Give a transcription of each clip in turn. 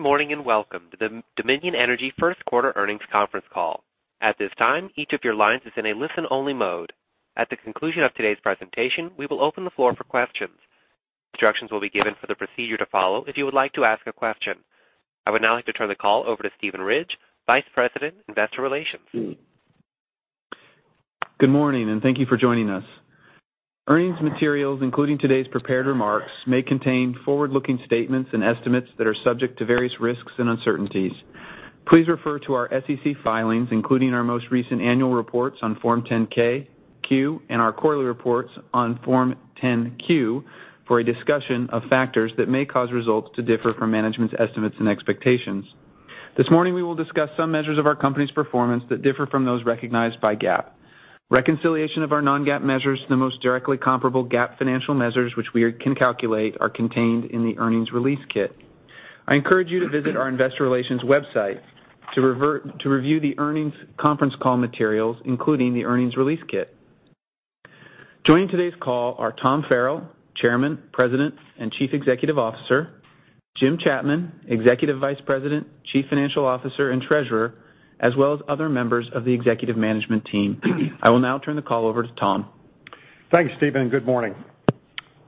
Good morning, welcome to the Dominion Energy first quarter earnings conference call. At this time, each of your lines is in a listen-only mode. At the conclusion of today's presentation, we will open the floor for questions. Instructions will be given for the procedure to follow if you would like to ask a question. I would now like to turn the call over to Steven Ridge, Vice President, Investor Relations. Good morning, and thank you for joining us. Earnings materials, including today's prepared remarks, may contain forward-looking statements and estimates that are subject to various risks and uncertainties. Please refer to our SEC filings, including our most recent annual reports on Form 10-K, Q, and our quarterly reports on Form 10-Q for a discussion of factors that may cause results to differ from management's estimates and expectations. This morning, we will discuss some measures of our company's performance that differ from those recognized by GAAP. Reconciliation of our non-GAAP measures to the most directly comparable GAAP financial measures, which we can calculate, are contained in the earnings release kit. I encourage you to visit our investor relations website to review the earnings conference call materials, including the earnings release kit. Joining today's call are Tom Farrell, Chairman, President, and Chief Executive Officer, Jim Chapman, Executive Vice President, Chief Financial Officer, and Treasurer, as well as other members of the executive management team. I will now turn the call over to Tom. Thanks, Steven. Good morning.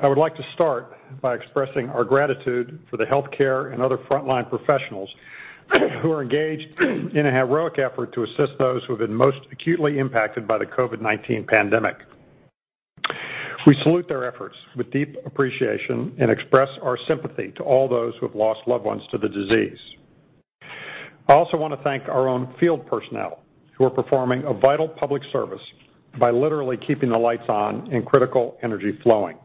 I would like to start by expressing our gratitude for the healthcare and other frontline professionals who are engaged in a heroic effort to assist those who have been most acutely impacted by the COVID-19 pandemic. We salute their efforts with deep appreciation and express our sympathy to all those who have lost loved ones to the disease. I also want to thank our own field personnel who are performing a vital public service by literally keeping the lights on and critical energy flowing.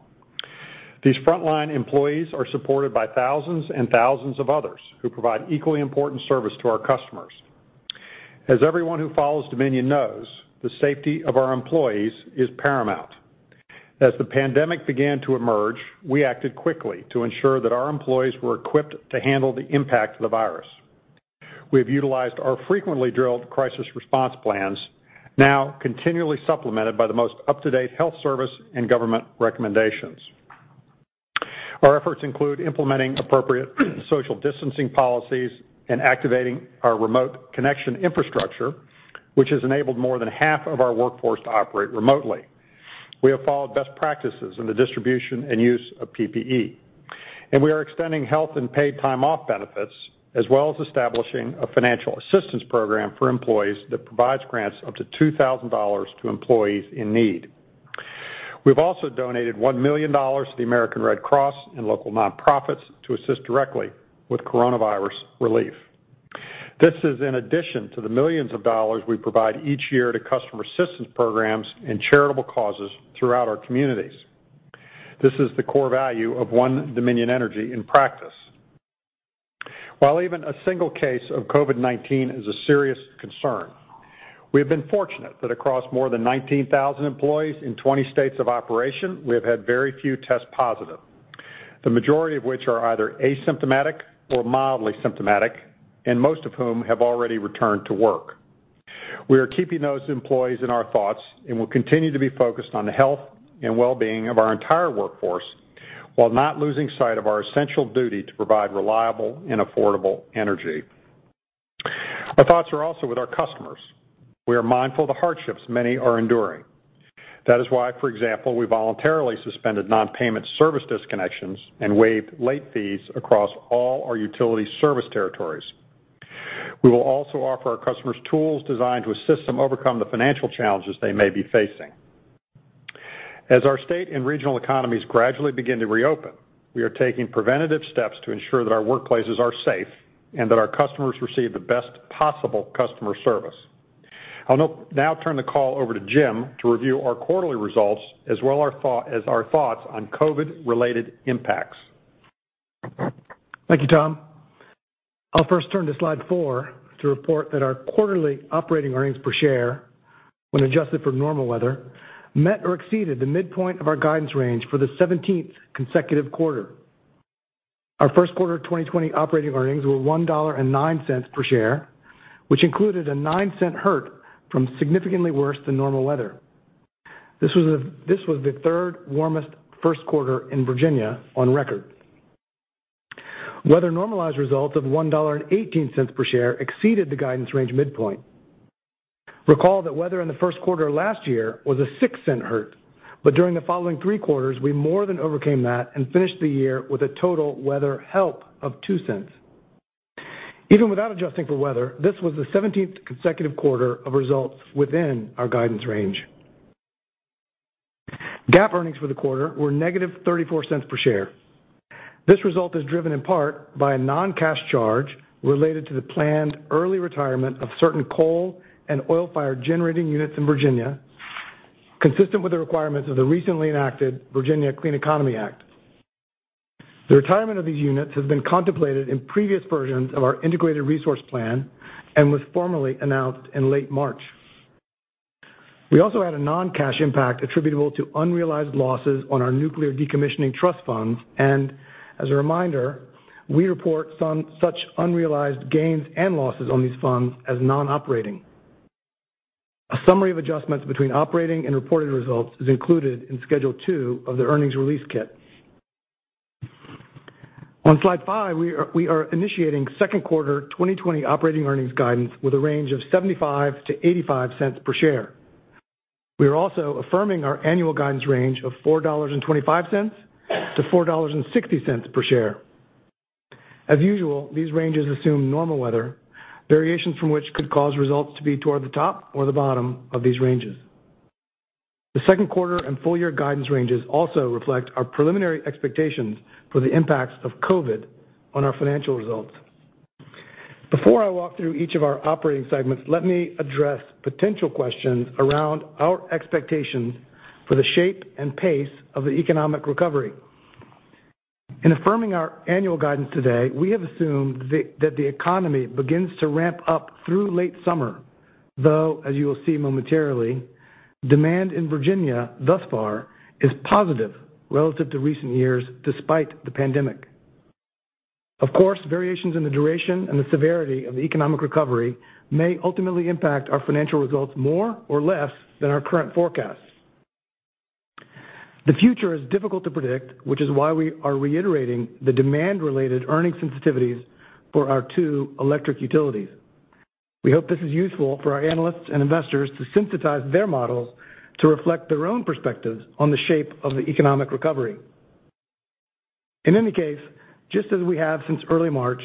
These frontline employees are supported by thousands and thousands of others who provide equally important service to our customers. As everyone who follows Dominion knows, the safety of our employees is paramount. As the pandemic began to emerge, we acted quickly to ensure that our employees were equipped to handle the impact of the virus. We have utilized our frequently drilled crisis response plans, now continually supplemented by the most up-to-date health service and government recommendations. Our efforts include implementing appropriate social distancing policies and activating our remote connection infrastructure, which has enabled more than half of our workforce to operate remotely. We have followed best practices in the distribution and use of PPE, and we are extending health and paid time off benefits, as well as establishing a financial assistance program for employees that provides grants up to $2,000 to employees in need. We've also donated $1 million to the American Red Cross and local nonprofits to assist directly with coronavirus relief. This is in addition to the millions of dollars we provide each year to customer assistance programs and charitable causes throughout our communities. This is the core value of One Dominion Energy in practice. While even a single case of COVID-19 is a serious concern, we have been fortunate that across more than 19,000 employees in 20 states of operation, we have had very few test positive, the majority of which are either asymptomatic or mildly symptomatic, and most of whom have already returned to work. We are keeping those employees in our thoughts and will continue to be focused on the health and well-being of our entire workforce while not losing sight of our essential duty to provide reliable and affordable energy. Our thoughts are also with our customers. We are mindful of the hardships many are enduring. That is why, for example, we voluntarily suspended non-payment service disconnections and waived late fees across all our utility service territories. We will also offer our customers tools designed to assist them overcome the financial challenges they may be facing. As our state and regional economies gradually begin to reopen, we are taking preventative steps to ensure that our workplaces are safe and that our customers receive the best possible customer service. I'll now turn the call over to Jim to review our quarterly results as well as our thoughts on COVID-related impacts. Thank you, Tom. I'll first turn to slide four to report that our quarterly operating earnings per share, when adjusted for normal weather, met or exceeded the midpoint of our guidance range for the 17th consecutive quarter. Our first quarter 2020 operating earnings were $1.09 per share, which included a $0.09 hurt from significantly worse than normal weather. This was the third warmest first quarter in Virginia on record. Weather-normalized results of $1.18 per share exceeded the guidance range midpoint. Recall that weather in the first quarter last year was a $0.06 hurt, but during the following three quarters, we more than overcame that and finished the year with a total weather help of $0.02. Even without adjusting for weather, this was the 17th consecutive quarter of results within our guidance range. GAAP earnings for the quarter were -$0.34 per share. This result is driven in part by a non-cash charge related to the planned early retirement of certain coal and oil-fired generating units in Virginia, consistent with the requirements of the recently enacted Virginia Clean Economy Act. The retirement of these units has been contemplated in previous versions of our integrated resource plan and was formally announced in late March. We also had a non-cash impact attributable to unrealized losses on our nuclear decommissioning trust funds and, as a reminder, we report such unrealized gains and losses on these funds as non-operating. A summary of adjustments between operating and reported results is included in Schedule two of the earnings release kit. On slide five, we are initiating second quarter 2020 operating earnings guidance with a range of $0.75-$0.85 per share. We are also affirming our annual guidance range of $4.25-$4.60 per share. As usual, these ranges assume normal weather, variations from which could cause results to be toward the top or the bottom of these ranges. The second quarter and full-year guidance ranges also reflect our preliminary expectations for the impacts of COVID-19 on our financial results. Before I walk through each of our operating segments, let me address potential questions around our expectations for the shape and pace of the economic recovery. In affirming our annual guidance today, we have assumed that the economy begins to ramp up through late summer, though as you will see momentarily, demand in Virginia thus far is positive relative to recent years despite the pandemic. Of course, variations in the duration and the severity of the economic recovery may ultimately impact our financial results more or less than our current forecasts. The future is difficult to predict, which is why we are reiterating the demand-related earning sensitivities for our two electric utilities. We hope this is useful for our analysts and investors to sensitize their models to reflect their own perspectives on the shape of the economic recovery. In any case, just as we have since early March,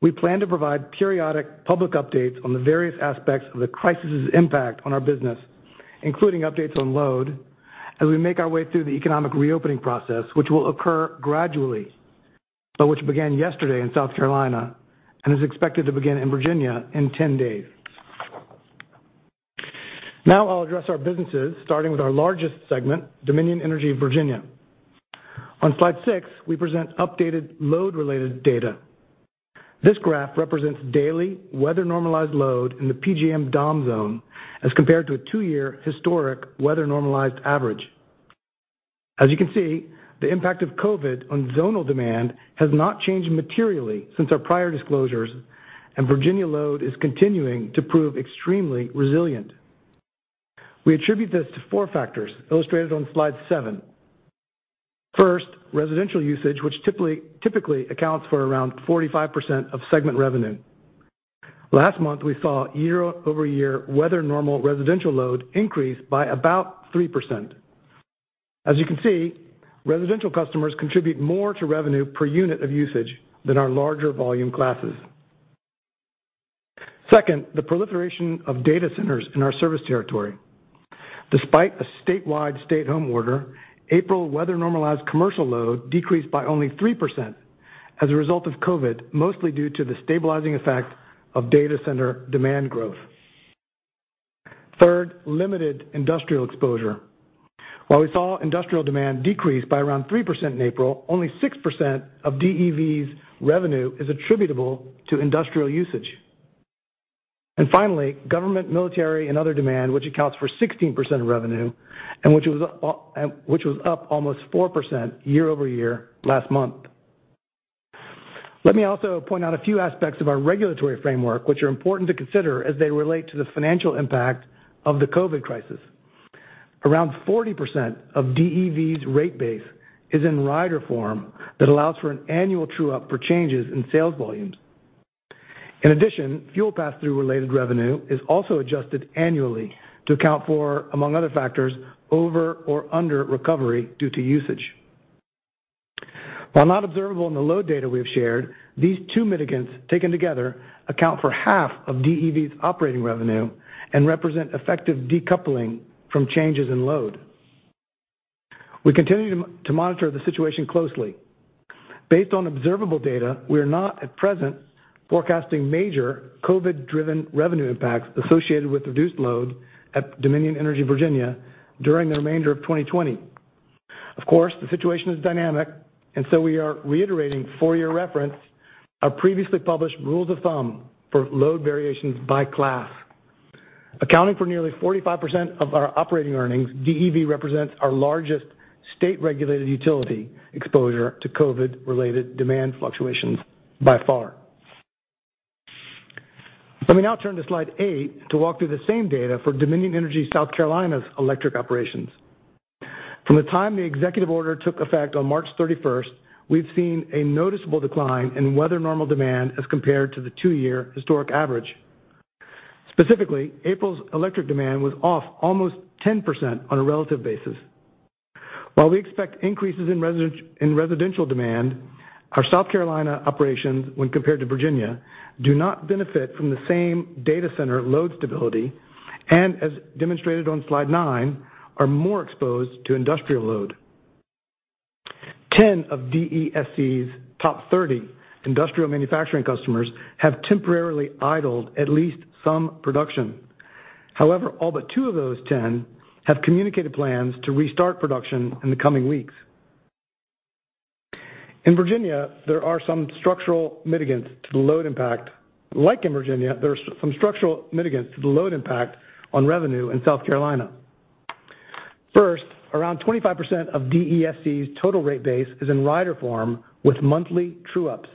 we plan to provide periodic public updates on the various aspects of the crisis' impact on our business, including updates on load, as we make our way through the economic reopening process, which will occur gradually, but which began yesterday in South Carolina and is expected to begin in Virginia in 10 days. Now I'll address our businesses, starting with our largest segment, Dominion Energy Virginia. On slide six, we present updated load-related data. This graph represents daily weather-normalized load in the PJM Dom zone as compared to a two-year historic weather-normalized average. As you can see, the impact of COVID-19 on zonal demand has not changed materially since our prior disclosures, and Virginia load is continuing to prove extremely resilient. We attribute this to four factors illustrated on slide seven. First, residential usage, which typically accounts for around 45% of segment revenue. Last month, we saw YoY weather normal residential load increase by about 3%. As you can see, residential customers contribute more to revenue per unit of usage than our larger volume classes. Second, the proliferation of data centers in our service territory. Despite a statewide stay-at-home order, April weather-normalized commercial load decreased by only 3% as a result of COVID-19, mostly due to the stabilizing effect of data center demand growth. Third, limited industrial exposure. While we saw industrial demand decrease by around 3% in April, only 6% of DEV's revenue is attributable to industrial usage. Finally, government, military, and other demand, which accounts for 16% of revenue and which was up almost 4% YoY last month. Let me also point out a few aspects of our regulatory framework, which are important to consider as they relate to the financial impact of the COVID-19 crisis. Around 40% of DEV's rate base is in rider form that allows for an annual true-up for changes in sales volumes. In addition, fuel pass-through related revenue is also adjusted annually to account for, among other factors, over or under recovery due to usage. While not observable in the load data we have shared, these two mitigants taken together account for half of DEV's operating revenue and represent effective decoupling from changes in load. We continue to monitor the situation closely. Based on observable data, we are not at present forecasting major COVID-driven revenue impacts associated with reduced load at Dominion Energy Virginia during the remainder of 2020. Of course, the situation is dynamic, and so we are reiterating for your reference our previously published rules of thumb for load variations by class. Accounting for nearly 45% of our operating earnings, DEV represents our largest state-regulated utility exposure to COVID-related demand fluctuations by far. Let me now turn to slide eight to walk through the same data for Dominion Energy South Carolina's electric operations. From the time the executive order took effect on March 31st, we've seen a noticeable decline in weather normal demand as compared to the two-year historic average. Specifically, April's electric demand was off almost 10% on a relative basis. While we expect increases in residential demand, our South Carolina operations, when compared to Virginia, do not benefit from the same data center load stability and, as demonstrated on slide nine, are more exposed to industrial load. 10 of DESC's top 30 industrial manufacturing customers have temporarily idled at least some production. However, all but two of those 10 have communicated plans to restart production in the coming weeks. Like in Virginia, there are some structural mitigants to the load impact on revenue in South Carolina. Around 25% of DESC's total rate base is in rider form with monthly true-ups.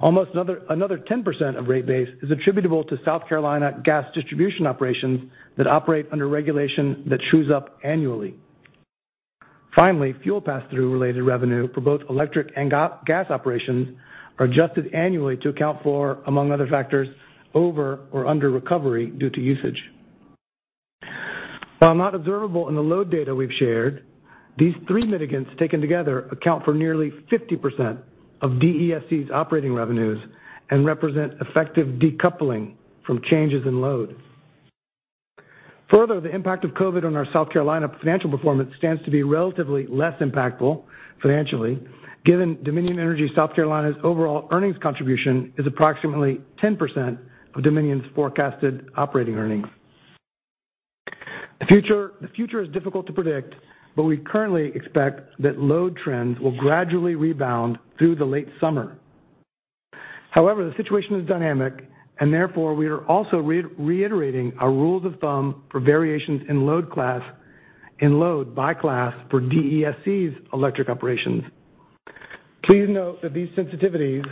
Almost another 10% of rate base is attributable to South Carolina gas distribution operations that operate under regulation that trues up annually. Finally, fuel pass-through related revenue for both electric and gas operations are adjusted annually to account for, among other factors, over or under recovery due to usage. While not observable in the load data we've shared, these three mitigants taken together account for nearly 50% of DESC's operating revenues and represent effective decoupling from changes in load. Further, the impact of COVID on our South Carolina financial performance stands to be relatively less impactful financially, given Dominion Energy South Carolina's overall earnings contribution is approximately 10% of Dominion's forecasted operating earnings. The future is difficult to predict, but we currently expect that load trends will gradually rebound through the late summer. However, the situation is dynamic and therefore, we are also reiterating our rules of thumb for variations in load by class for DESC's electric operations. Please note that these sensitivities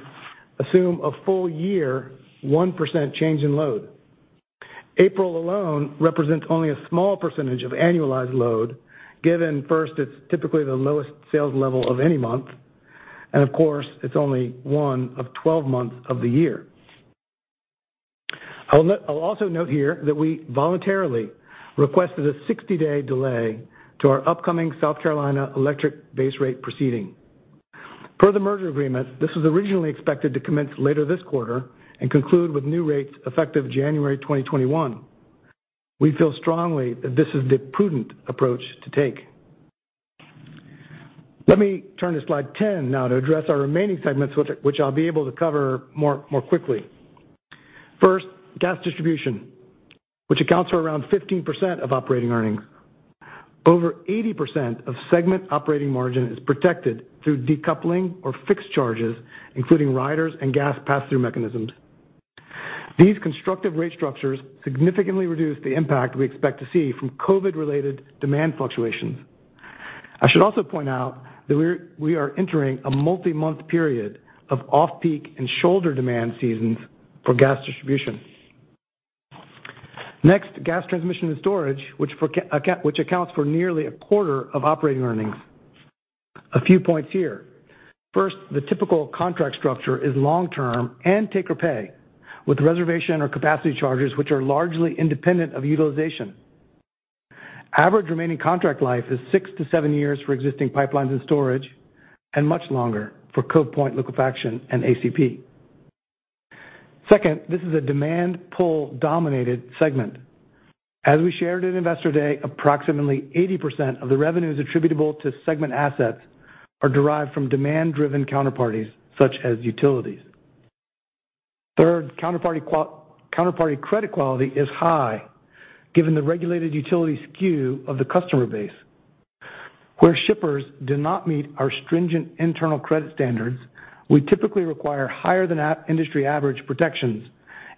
assume a full year, 1% change in load. April alone represents only a small percentage of annualized load, given first, it's typically the lowest sales level of any month, and of course, it's only one of 12 months of the year. I'll also note here that we voluntarily requested a 60-day delay to our upcoming South Carolina electric base rate proceeding. Per the merger agreement, this was originally expected to commence later this quarter and conclude with new rates effective January 2021. We feel strongly that this is the prudent approach to take. Let me turn to slide 10 now to address our remaining segments, which I'll be able to cover more quickly. First, gas distribution, which accounts for around 15% of operating earnings. Over 80% of segment operating margin is protected through decoupling or fixed charges, including riders and gas pass-through mechanisms. These constructive rate structures significantly reduce the impact we expect to see from COVID-related demand fluctuations. I should also point out that we are entering a multi-month period of off-peak and shoulder demand seasons for gas distribution. Gas transmission and storage, which accounts for nearly a quarter of operating earnings. A few points here. First, the typical contract structure is long-term and take or pay, with reservation or capacity charges which are largely independent of utilization. Average remaining contract life is six to seven years for existing pipelines and storage, and much longer for Cove Point Liquefaction and ACP. Second, this is a demand pull-dominated segment. As we shared at Investor Day, approximately 80% of the revenues attributable to segment assets are derived from demand-driven counterparties such as utilities. Third, counterparty credit quality is high given the regulated utility skew of the customer base. Where shippers do not meet our stringent internal credit standards, we typically require higher than industry average protections,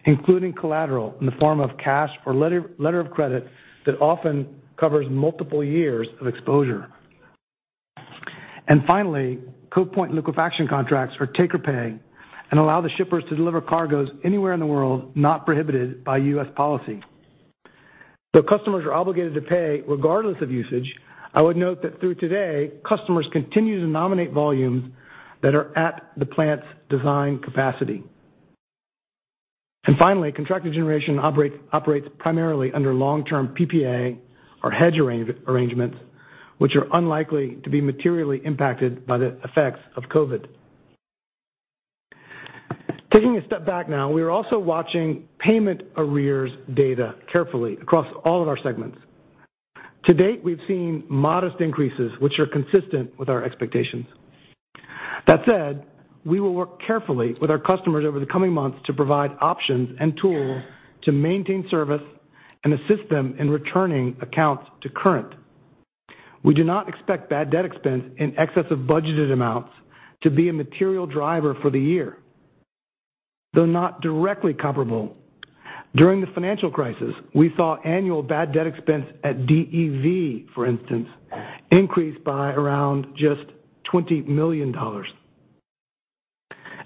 including collateral in the form of cash or letter of credit that often covers multiple years of exposure. Finally, Cove Point Liquefaction contracts are take or pay and allow the shippers to deliver cargoes anywhere in the world not prohibited by U.S. policy. Customers are obligated to pay regardless of usage. I would note that through today, customers continue to nominate volumes that are at the plant's design capacity. Finally, contracted generation operates primarily under long-term PPA or hedge arrangements, which are unlikely to be materially impacted by the effects of COVID-19. Taking a step back now, we are also watching payment arrears data carefully across all of our segments. To date, we've seen modest increases, which are consistent with our expectations. That said, we will work carefully with our customers over the coming months to provide options and tools to maintain service and assist them in returning accounts to current. We do not expect bad debt expense in excess of budgeted amounts to be a material driver for the year. Though not directly comparable, during the financial crisis, we saw annual bad debt expense at DEV, for instance, increase by around just $20 million.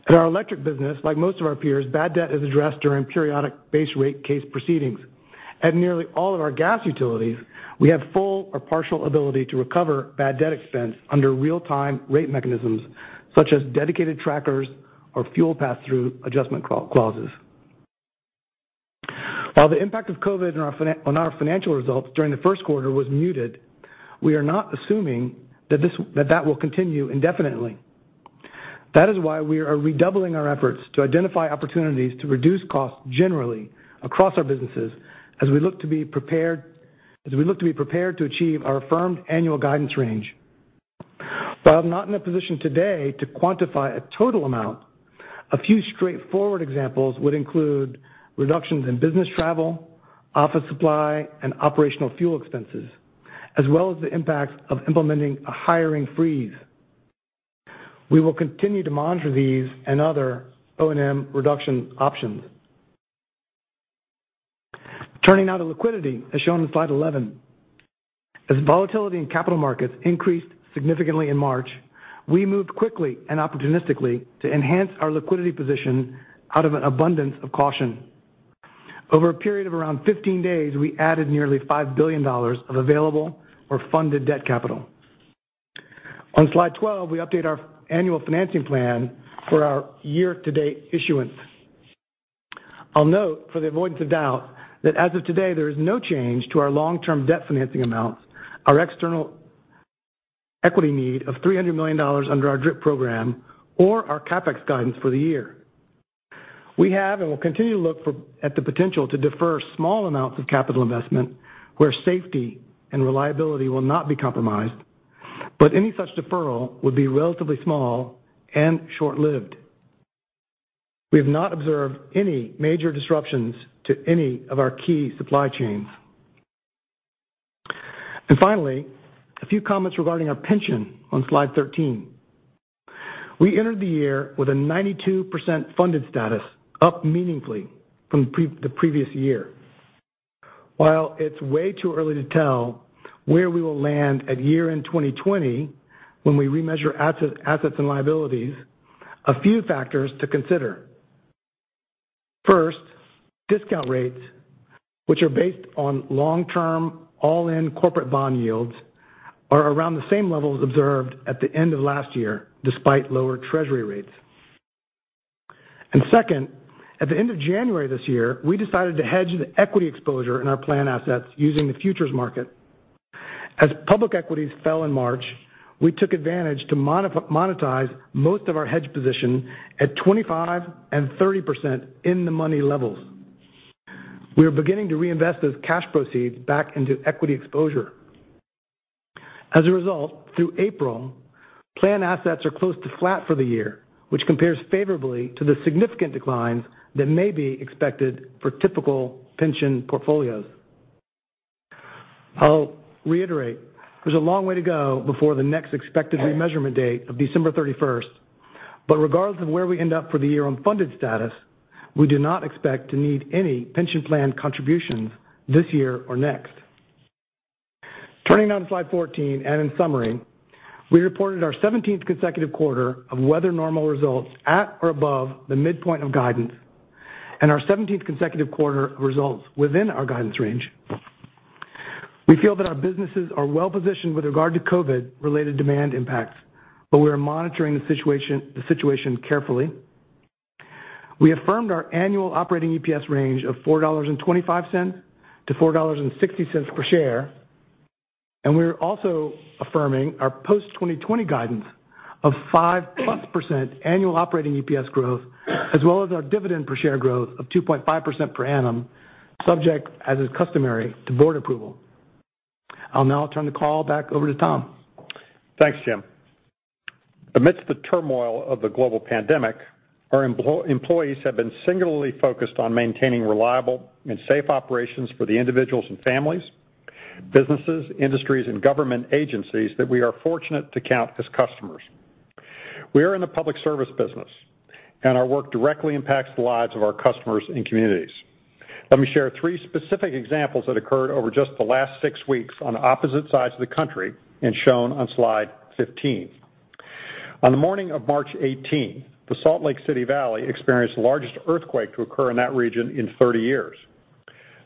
In our electric business, like most of our peers, bad debt is addressed during periodic base rate case proceedings. At nearly all of our gas utilities, we have full or partial ability to recover bad debt expense under real-time rate mechanisms, such as dedicated trackers or fuel pass-through adjustment clauses. While the impact of COVID-19 on our financial results during the first quarter was muted, we are not assuming that will continue indefinitely. That is why we are redoubling our efforts to identify opportunities to reduce costs generally across our businesses as we look to be prepared to achieve our affirmed annual guidance range. While I'm not in a position today to quantify a total amount, a few straightforward examples would include reductions in business travel, office supply, and operational fuel expenses, as well as the impacts of implementing a hiring freeze. We will continue to monitor these and other O&M reduction options. Turning now to liquidity, as shown on slide 11. As volatility in capital markets increased significantly in March, we moved quickly and opportunistically to enhance our liquidity position out of an abundance of caution. Over a period of around 15 days, we added nearly $5 billion of available or funded debt capital. On slide 12, we update our annual financing plan for our year-to-date issuance. I'll note for the avoidance of doubt that as of today, there is no change to our long-term debt financing amounts, our external equity need of $300 million under our DRIP program, or our CapEx guidance for the year. We have, and will continue to look at the potential to defer small amounts of capital investment where safety and reliability will not be compromised. Any such deferral would be relatively small and short-lived. We have not observed any major disruptions to any of our key supply chains. Finally, a few comments regarding our pension on slide 13. We entered the year with a 92% funded status, up meaningfully from the previous year. While it's way too early to tell where we will land at year-end 2020 when we remeasure assets and liabilities, a few factors to consider. First, discount rates, which are based on long-term all-in corporate bond yields, are around the same levels observed at the end of last year, despite lower Treasury rates. Second, at the end of January this year, we decided to hedge the equity exposure in our plan assets using the futures market. As public equities fell in March, we took advantage to monetize most of our hedge position at 25% and 30% in the money levels. We are beginning to reinvest those cash proceeds back into equity exposure. Through April, plan assets are close to flat for the year, which compares favorably to the significant declines that may be expected for typical pension portfolios. I'll reiterate, there's a long way to go before the next expected remeasurement date of December 31st. Regardless of where we end up for the year on funded status, we do not expect to need any pension plan contributions this year or next. Turning now to slide 14. In summary, we reported our 17th consecutive quarter of weather normal results at or above the midpoint of guidance and our 17th consecutive quarter results within our guidance range. We feel that our businesses are well-positioned with regard to COVID-related demand impacts. We are monitoring the situation carefully. We affirmed our annual operating EPS range of $4.25-$4.60 per share. We're also affirming our post-2020 guidance of 5%+ annual operating EPS growth, as well as our dividend per share growth of 2.5% per annum, subject, as is customary, to board approval. I'll now turn the call back over to Tom. Thanks, Jim. Amidst the turmoil of the global pandemic, our employees have been singularly focused on maintaining reliable and safe operations for the individuals and families, businesses, industries, and government agencies that we are fortunate to count as customers. We are in the public service business, and our work directly impacts the lives of our customers and communities. Let me share three specific examples that occurred over just the last six weeks on opposite sides of the country and shown on slide 15. On the morning of March 18, the Salt Lake City Valley experienced the largest earthquake to occur in that region in 30 years.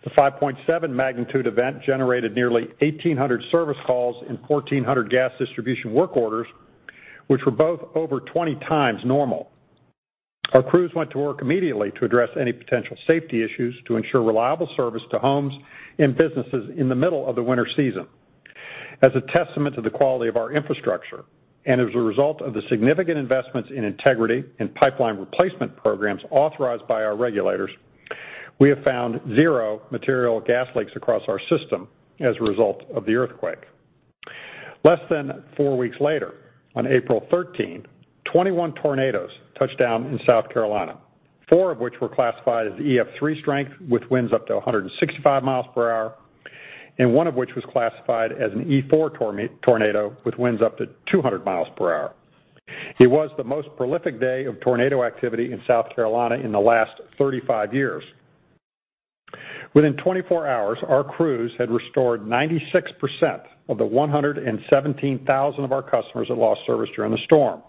The 5.7 magnitude event generated nearly 1,800 service calls and 1,400 gas distribution work orders, which were both over 20 times normal. Our crews went to work immediately to address any potential safety issues to ensure reliable service to homes and businesses in the middle of the winter season. As a testament to the quality of our infrastructure and as a result of the significant investments in integrity and pipeline replacement programs authorized by our regulators, we have found zero material gas leaks across our system as a result of the earthquake. Less than four weeks later, on April 13, 21 tornadoes touched down in South Carolina, four of which were classified as EF3 strength with winds up to 165 mi per hour, and one of which was classified as an EF4 tornado with winds up to 200 mi per hour. It was the most prolific day of tornado activity in South Carolina in the last 35 years. Within 24 hours, our crews had restored 96% of the 117,000 of our customers that lost service during the storm.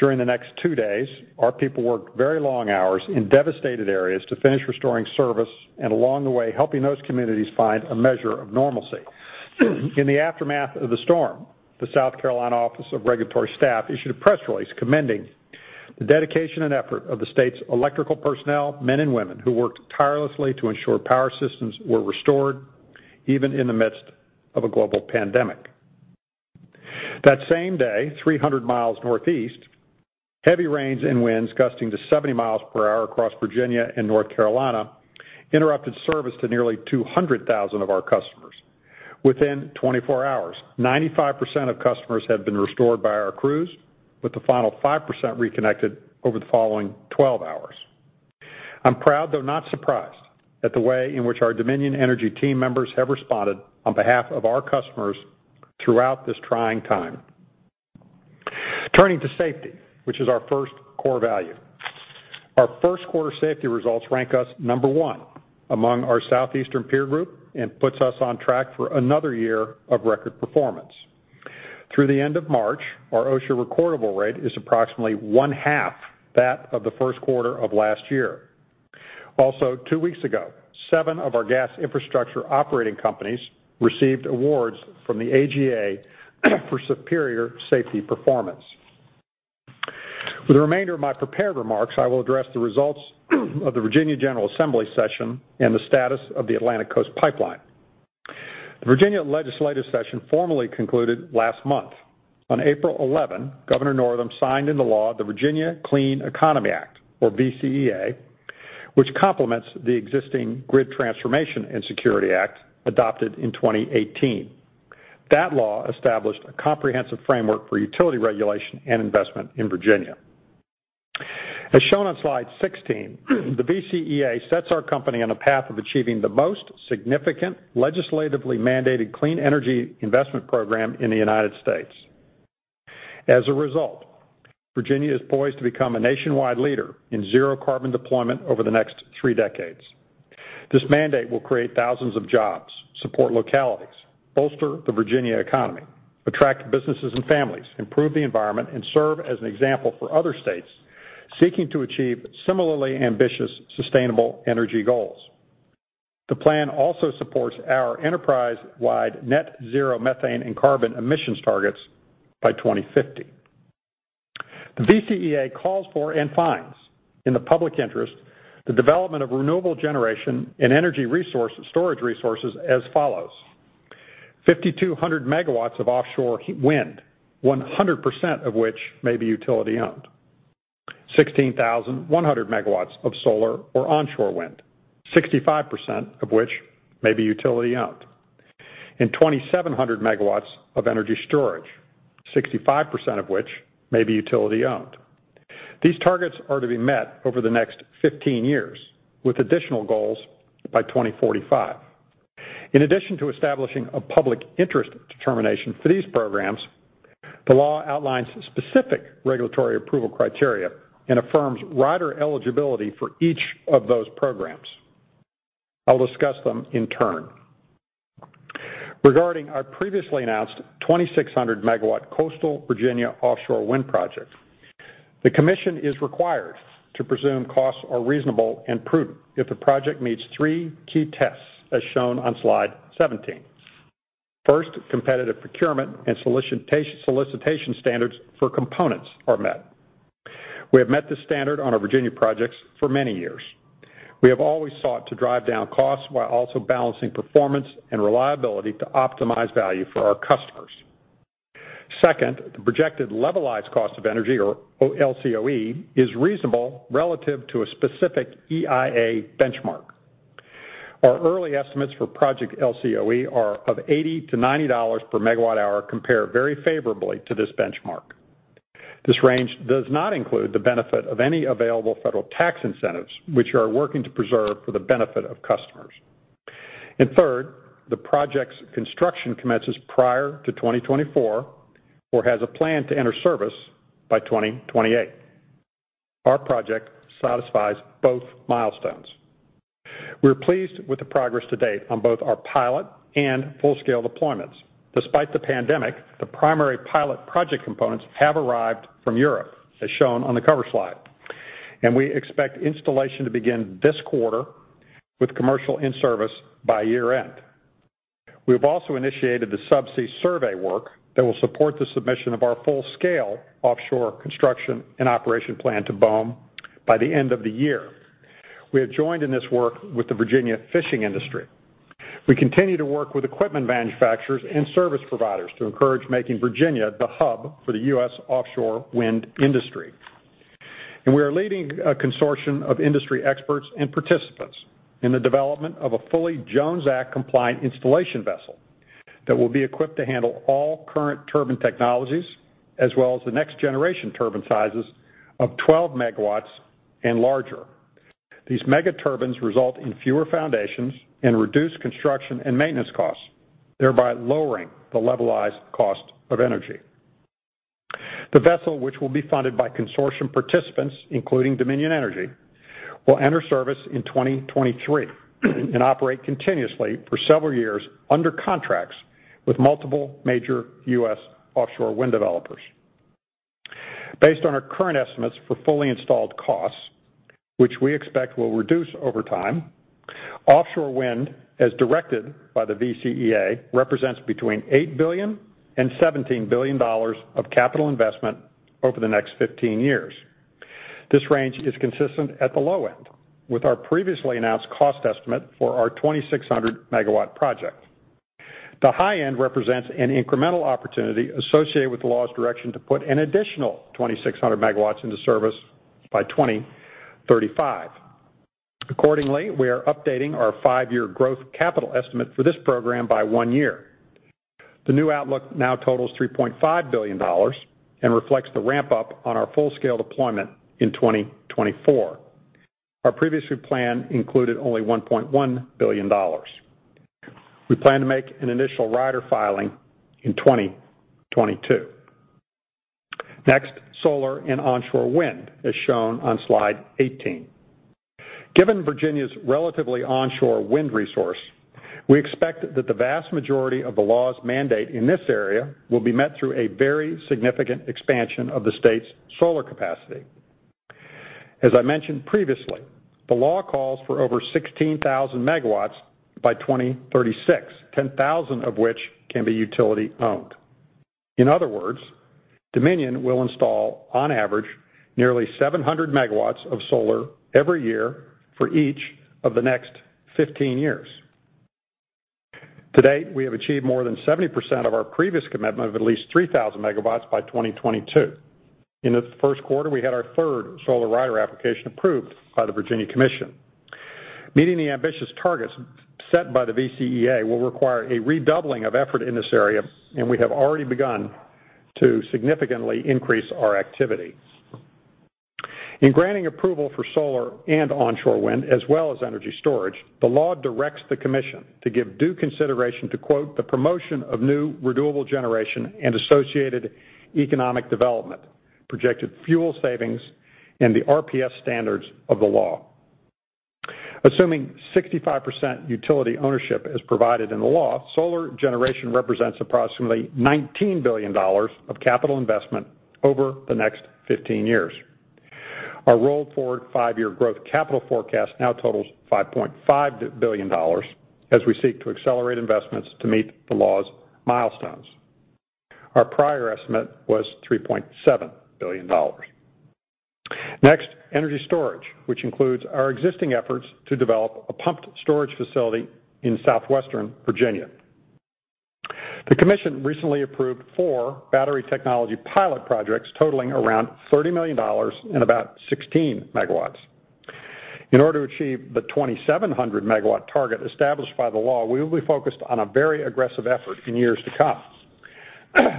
During the next two days, our people worked very long hours in devastated areas to finish restoring service and along the way, helping those communities find a measure of normalcy. In the aftermath of the storm, the South Carolina Office of Regulatory Staff issued a press release commending the dedication and effort of the state's electrical personnel, men and women who worked tirelessly to ensure power systems were restored even in the midst of a global pandemic. That same day, 300 mi northeast, heavy rains and winds gusting to 70 mi per hour across Virginia and North Carolina interrupted service to nearly 200,000 of our customers. Within 24 hours, 95% of customers had been restored by our crews, with the final 5% reconnected over the following 12 hours. I'm proud, though not surprised, at the way in which our Dominion Energy team members have responded on behalf of our customers throughout this trying time. Turning to safety, which is our first core value. Our first-quarter safety results rank us number one among our southeastern peer group and puts us on track for another year of record performance. Through the end of March, our OSHA recordable rate is approximately one-half that of the first quarter of last year. Also, two weeks ago, seven of our gas infrastructure operating companies received awards from the AGA for superior safety performance. For the remainder of my prepared remarks, I will address the results of the Virginia General Assembly session and the status of the Atlantic Coast Pipeline. The Virginia legislative session formally concluded last month. On April 11, Governor Northam signed into law the Virginia Clean Economy Act, or VCEA, which complements the existing Grid Transformation and Security Act adopted in 2018. That law established a comprehensive framework for utility regulation and investment in Virginia. As shown on slide 16, the VCEA sets our company on a path of achieving the most significant legislatively-mandated clean energy investment program in the United States. As a result, Virginia is poised to become a nationwide leader in zero-carbon deployment over the next three decades. This mandate will create thousands of jobs, support localities, bolster the Virginia economy, attract businesses and families, improve the environment, and serve as an example for other states seeking to achieve similarly ambitious, sustainable energy goals. The plan also supports our enterprise-wide net zero methane and carbon emissions targets by 2050. The VCEA calls for and finds, in the public interest, the development of renewable generation and energy storage resources as follows: 5,200 MW of offshore wind, 100% of which may be utility-owned, 16,100 MW of solar or onshore wind, 65% of which may be utility-owned, and 2,700 MW of energy storage, 65% of which may be utility-owned. These targets are to be met over the next 15 years, with additional goals by 2045. In addition to establishing a public interest determination for these programs, the law outlines specific regulatory approval criteria and affirms rider eligibility for each of those programs. I'll discuss them in turn. Regarding our previously announced 2,600-MW Coastal Virginia Offshore Wind project, the commission is required to presume costs are reasonable and prudent if the project meets three key tests, as shown on slide 17. First, competitive procurement and solicitation standards for components are met. We have met this standard on our Virginia projects for many years. We have always sought to drive down costs while also balancing performance and reliability to optimize value for our customers. Second, the projected Levelized Cost of Energy, or LCOE, is reasonable relative to a specific EIA benchmark. Our early estimates for project LCOE are of $80-$90 per megawatt hour compare very favorably to this benchmark. This range does not include the benefit of any available federal tax incentives, which we are working to preserve for the benefit of customers. Third, the project's construction commences prior to 2024 or has a plan to enter service by 2028. Our project satisfies both milestones. We're pleased with the progress to date on both our pilot and full-scale deployments. Despite the pandemic, the primary pilot project components have arrived from Europe, as shown on the cover slide. We expect installation to begin this quarter with commercial in-service by year-end. We have also initiated the subsea survey work that will support the submission of our full-scale offshore construction and operation plan to BOEM by the end of the year. We have joined in this work with the Virginia fishing industry. We continue to work with equipment manufacturers and service providers to encourage making Virginia the hub for the U.S. offshore wind industry. We are leading a consortium of industry experts and participants in the development of a fully Jones Act compliant installation vessel that will be equipped to handle all current turbine technologies as well as the next-generation turbine sizes of 12 MW and larger. These mega turbines result in fewer foundations and reduced construction and maintenance costs, thereby lowering the levelized cost of energy. The vessel, which will be funded by consortium participants, including Dominion Energy, will enter service in 2023 and operate continuously for several years under contracts with multiple major U.S. offshore wind developers. Based on our current estimates for fully installed costs, which we expect will reduce over time, offshore wind, as directed by the VCEA, represents between $8 billion and $17 billion of capital investment over the next 15 years. This range is consistent at the low end with our previously announced cost estimate for our 2,600-MW project. The high end represents an incremental opportunity associated with the law's direction to put an additional 2,600 MW into service by 2035. Accordingly, we are updating our five-year growth capital estimate for this program by one year. The new outlook now totals $3.5 billion and reflects the ramp-up on our full-scale deployment in 2024. Our previous plan included only $1.1 billion. We plan to make an initial rider filing in 2022. Solar and onshore wind, as shown on slide 18. Given Virginia's relatively onshore wind resource, we expect that the vast majority of the law's mandate in this area will be met through a very significant expansion of the state's solar capacity. As I mentioned previously, the law calls for over 16,000 MW by 2036, 10,000 MW of which can be utility-owned. In other words, Dominion will install, on average, nearly 700 MW of solar every year for each of the next 15 years. To date, we have achieved more than 70% of our previous commitment of at least 3,000 MW by 2022. In the first quarter, we had our third solar rider application approved by the Virginia Commission. Meeting the ambitious targets set by the VCEA will require a redoubling of effort in this area. We have already begun to significantly increase our activity. In granting approval for solar and onshore wind, as well as energy storage, the law directs the commission to give due consideration to, quote, "The promotion of new renewable generation and associated economic development, projected fuel savings, and the RPS standards of the law." Assuming 65% utility ownership as provided in the law, solar generation represents approximately $19 billion of capital investment over the next 15 years. Our rolled-forward five-year growth capital forecast now totals $5.5 billion as we seek to accelerate investments to meet the law's milestones. Our prior estimate was $3.7 billion. Next, energy storage, which includes our existing efforts to develop a pumped storage facility in southwestern Virginia. The commission recently approved four battery technology pilot projects totaling around $30 million and about 16 MW. In order to achieve the 2,700-MW target established by the law, we will be focused on a very aggressive effort in years to come.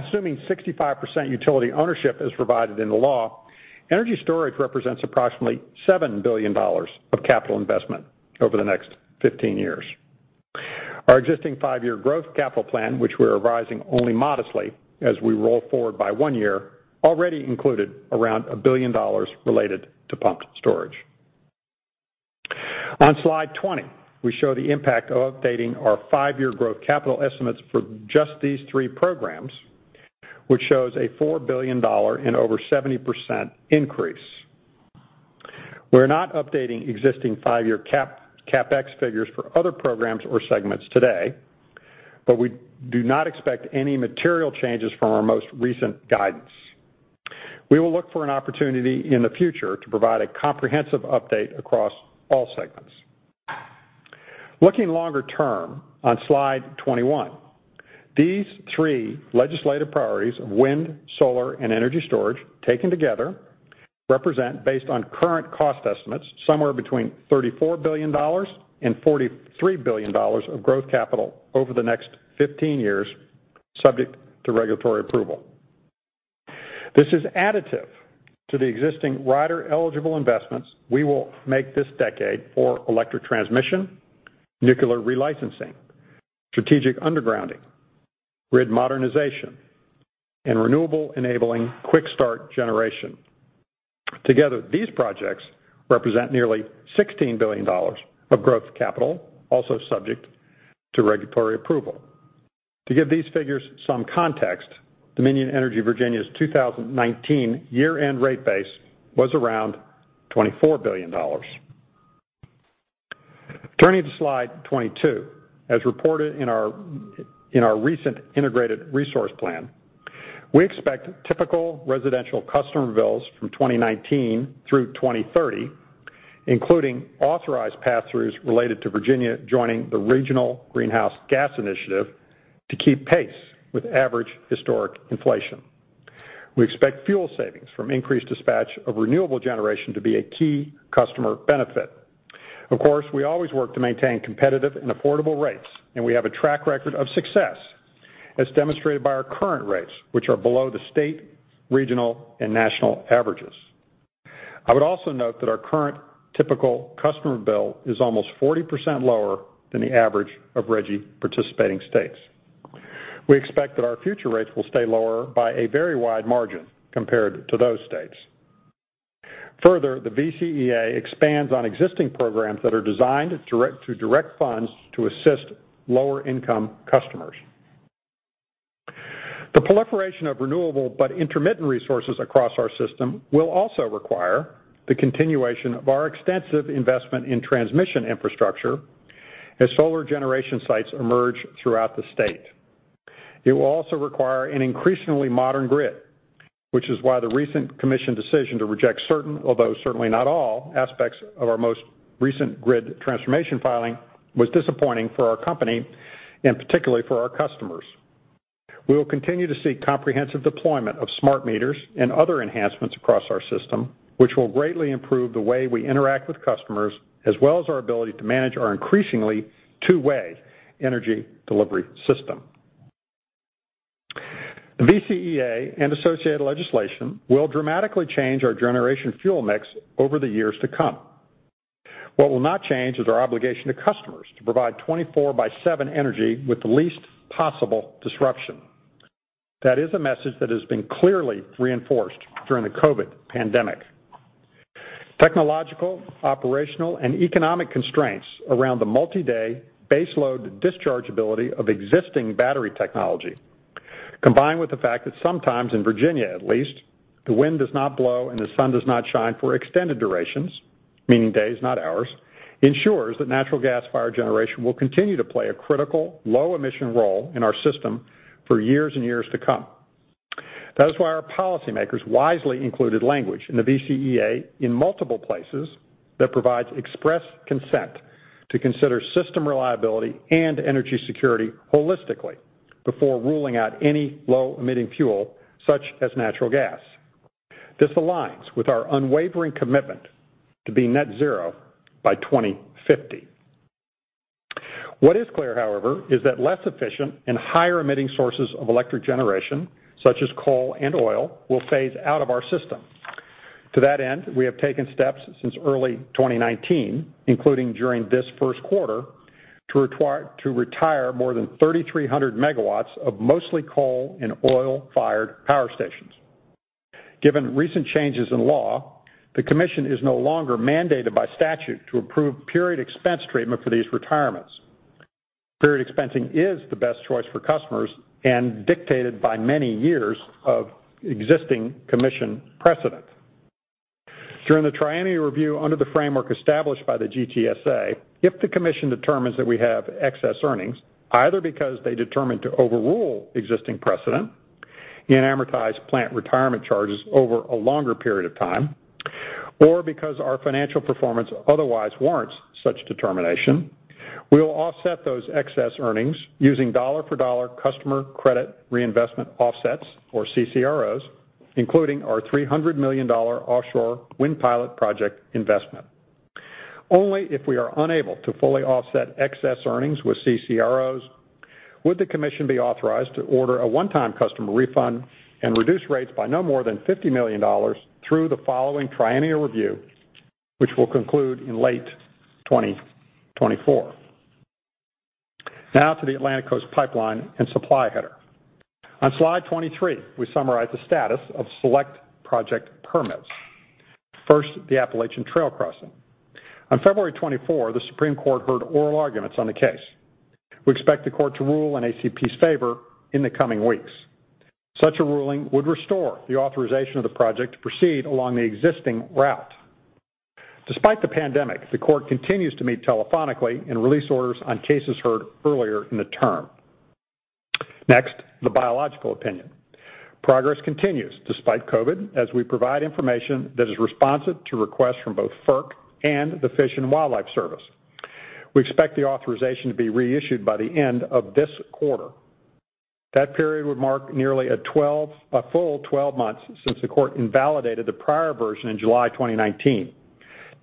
Assuming 65% utility ownership as provided in the law, energy storage represents approximately $7 billion of capital investment over the next 15 years. Our existing five-year growth capital plan, which we're revising only modestly as we roll forward by one year, already included around $1 billion related to pumped storage. On slide 20, we show the impact of updating our five-year growth capital estimates for just these three programs, which shows a $4 billion and over 70% increase. We're not updating existing five-year CapEx figures for other programs or segments today, but we do not expect any material changes from our most recent guidance. We will look for an opportunity in the future to provide a comprehensive update across all segments. Looking longer term, on slide 21, these three legislative priorities of wind, solar, and energy storage, taken together, represent, based on current cost estimates, somewhere between $34 billion and $43 billion of growth capital over the next 15 years, subject to regulatory approval. This is additive to the existing rider-eligible investments we will make this decade for electric transmission, nuclear relicensing, strategic undergrounding, grid modernization, and renewable-enabling quick-start generation. Together, these projects represent nearly $16 billion of growth capital, also subject to regulatory approval. To give these figures some context, Dominion Energy Virginia's 2019 year-end rate base was around $24 billion. Turning to slide 22, as reported in our recent integrated resource plan, we expect typical residential customer bills from 2019 through 2030, including authorized passthroughs related to Virginia joining the Regional Greenhouse Gas Initiative to keep pace with average historic inflation. We expect fuel savings from increased dispatch of renewable generation to be a key customer benefit. Of course, we always work to maintain competitive and affordable rates, and we have a track record of success, as demonstrated by our current rates, which are below the state, regional, and national averages. I would also note that our current typical customer bill is almost 40% lower than the average of RGGI-participating states. We expect that our future rates will stay lower by a very wide margin compared to those states. Further, the VCEA expands on existing programs that are designed to direct funds to assist lower-income customers. The proliferation of renewable but intermittent resources across our system will also require the continuation of our extensive investment in transmission infrastructure as solar generation sites emerge throughout the state. It will also require an increasingly modern grid, which is why the recent commission decision to reject certain, although certainly not all, aspects of our most recent Grid Transformation filing was disappointing for our company, and particularly for our customers. We will continue to seek comprehensive deployment of smart meters and other enhancements across our system, which will greatly improve the way we interact with customers, as well as our ability to manage our increasingly two-way energy delivery system. The VCEA and associated legislation will dramatically change our generation fuel mix over the years to come. What will not change is our obligation to customers to provide 24/7 energy with the least possible disruption. That is a message that has been clearly reinforced during the COVID-19 pandemic. Technological, operational, and economic constraints around the multi-day base load discharge ability of existing battery technology, combined with the fact that sometimes in Virginia at least, the wind does not blow, and the sun does not shine for extended durations, meaning days, not hours, ensures that natural gas-fired generation will continue to play a critical low emission role in our system for years and years to come. That is why our policymakers wisely included language in the VCEA in multiple places that provides express consent to consider system reliability and energy security holistically before ruling out any low-emitting fuel, such as natural gas. This aligns with our unwavering commitment to being net zero by 2050. What is clear, however, is that less efficient and higher emitting sources of electric generation, such as coal and oil, will phase out of our system. To that end, we have taken steps since early 2019, including during this first quarter, to retire more than 3,300 MW of mostly coal and oil-fired power stations. Given recent changes in law, the commission is no longer mandated by statute to approve period expense treatment for these retirements. Period expensing is the best choice for customers and dictated by many years of existing commission precedent. During the triennial review under the framework established by the GTSA, if the Commission determines that we have excess earnings, either because they determine to overrule existing precedent and amortize plant retirement charges over a longer period of time, or because our financial performance otherwise warrants such determination, we will offset those excess earnings using dollar-for-dollar Customer Credit Reinvestment Offsets, or CCROs, including our $300 million offshore wind pilot project investment. Only if we are unable to fully offset excess earnings with CCROs would the Commission be authorized to order a one-time customer refund and reduce rates by no more than $50 million through the following triennial review, which will conclude in late 2024. To the Atlantic Coast Pipeline and Supply Header Project. On slide 23, we summarize the status of select project permits. First, the Appalachian Trail crossing. On February 24, the Supreme Court heard oral arguments on the case. We expect the court to rule in ACP's favor in the coming weeks. Such a ruling would restore the authorization of the project to proceed along the existing route. Despite the pandemic, the court continues to meet telephonically and release orders on cases heard earlier in the term. Next, the biological opinion. Progress continues despite COVID, as we provide information that is responsive to requests from both FERC and the Fish and Wildlife Service. We expect the authorization to be reissued by the end of this quarter. That period would mark nearly a full 12 months since the court invalidated the prior version in July 2019,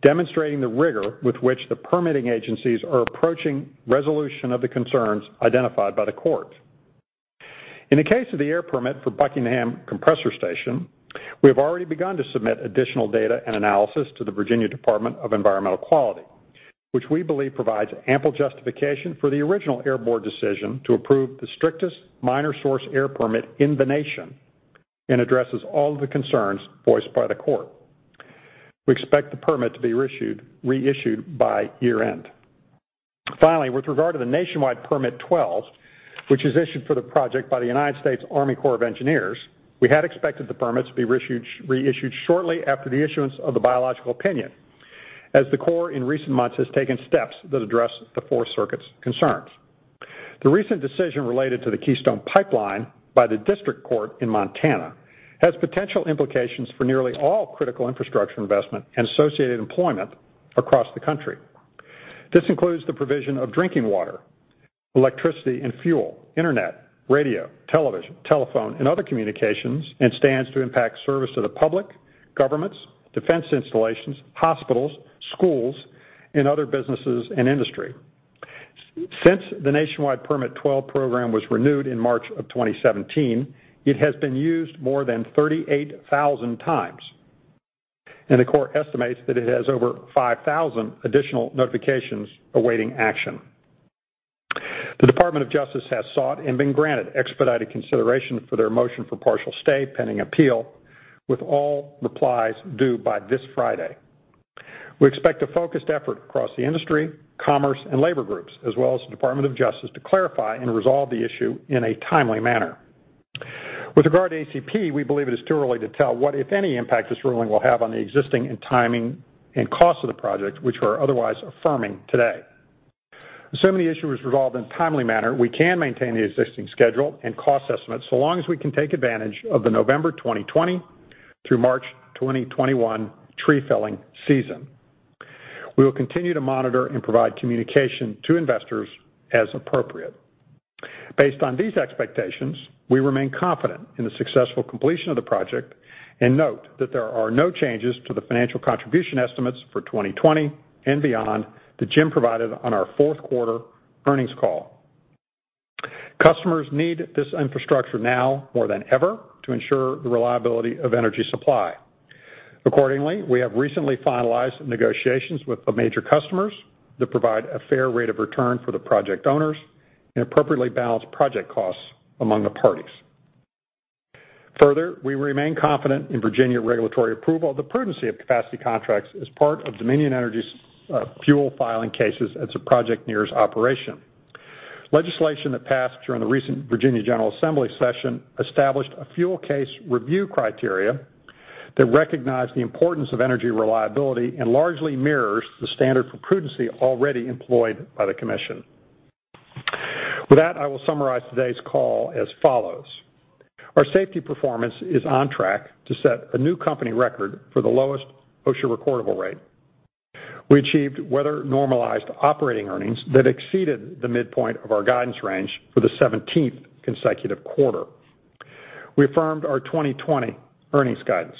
demonstrating the rigor with which the permitting agencies are approaching resolution of the concerns identified by the court. In the case of the air permit for Buckingham Compressor Station, we have already begun to submit additional data and analysis to the Virginia Department of Environmental Quality, which we believe provides ample justification for the original air permit decision to approve the strictest minor source air permit in the nation and addresses all of the concerns voiced by the court. We expect the permit to be reissued by year-end. Finally, with regard to the Nationwide Permit 12, which is issued for the project by the United States Army Corps of Engineers, we had expected the permit to be reissued shortly after the issuance of the biological opinion, as the Corps in recent months has taken steps that address the Fourth Circuit's concerns. The recent decision related to the Keystone Pipeline by the District Court in Montana has potential implications for nearly all critical infrastructure investment and associated employment across the country. This includes the provision of drinking water, electricity, and fuel, internet, radio, television, telephone, and other communications, and stands to impact service to the public, governments, defense installations, hospitals, schools, and other businesses and industry. Since the Nationwide Permit 12 program was renewed in March of 2017, it has been used more than 38,000 times, and the Court estimates that it has over 5,000 additional notifications awaiting action. The Department of Justice has sought and been granted expedited consideration for their motion for partial stay pending appeal, with all replies due by this Friday. We expect a focused effort across the industry, commerce, and labor groups, as well as the Department of Justice, to clarify and resolve the issue in a timely manner. With regard to ACP, we believe it is too early to tell what, if any, impact this ruling will have on the existing and timing and cost of the project, which we are otherwise affirming today. Assuming the issue is resolved in a timely manner, we can maintain the existing schedule and cost estimates so long as we can take advantage of the November 2020 through March 2021 tree felling season. We will continue to monitor and provide communication to investors as appropriate. Based on these expectations, we remain confident in the successful completion of the project and note that there are no changes to the financial contribution estimates for 2020 and beyond that Jim provided on our fourth quarter earnings call. Customers need this infrastructure now more than ever to ensure the reliability of energy supply. Accordingly, we have recently finalized negotiations with the major customers to provide a fair rate of return for the project owners and appropriately balance project costs among the parties. Further, we remain confident in Virginia regulatory approval of the prudency of capacity contracts as part of Dominion Energy's fuel filing cases as the project nears operation. Legislation that passed during the recent Virginia General Assembly session established a fuel case review criteria that recognized the importance of energy reliability and largely mirrors the standard for prudency already employed by the commission. With that, I will summarize today's call as follows. Our safety performance is on track to set a new company record for the lowest OSHA recordable rate. We achieved weather-normalized operating earnings that exceeded the midpoint of our guidance range for the 17th consecutive quarter. We affirmed our 2020 earnings guidance.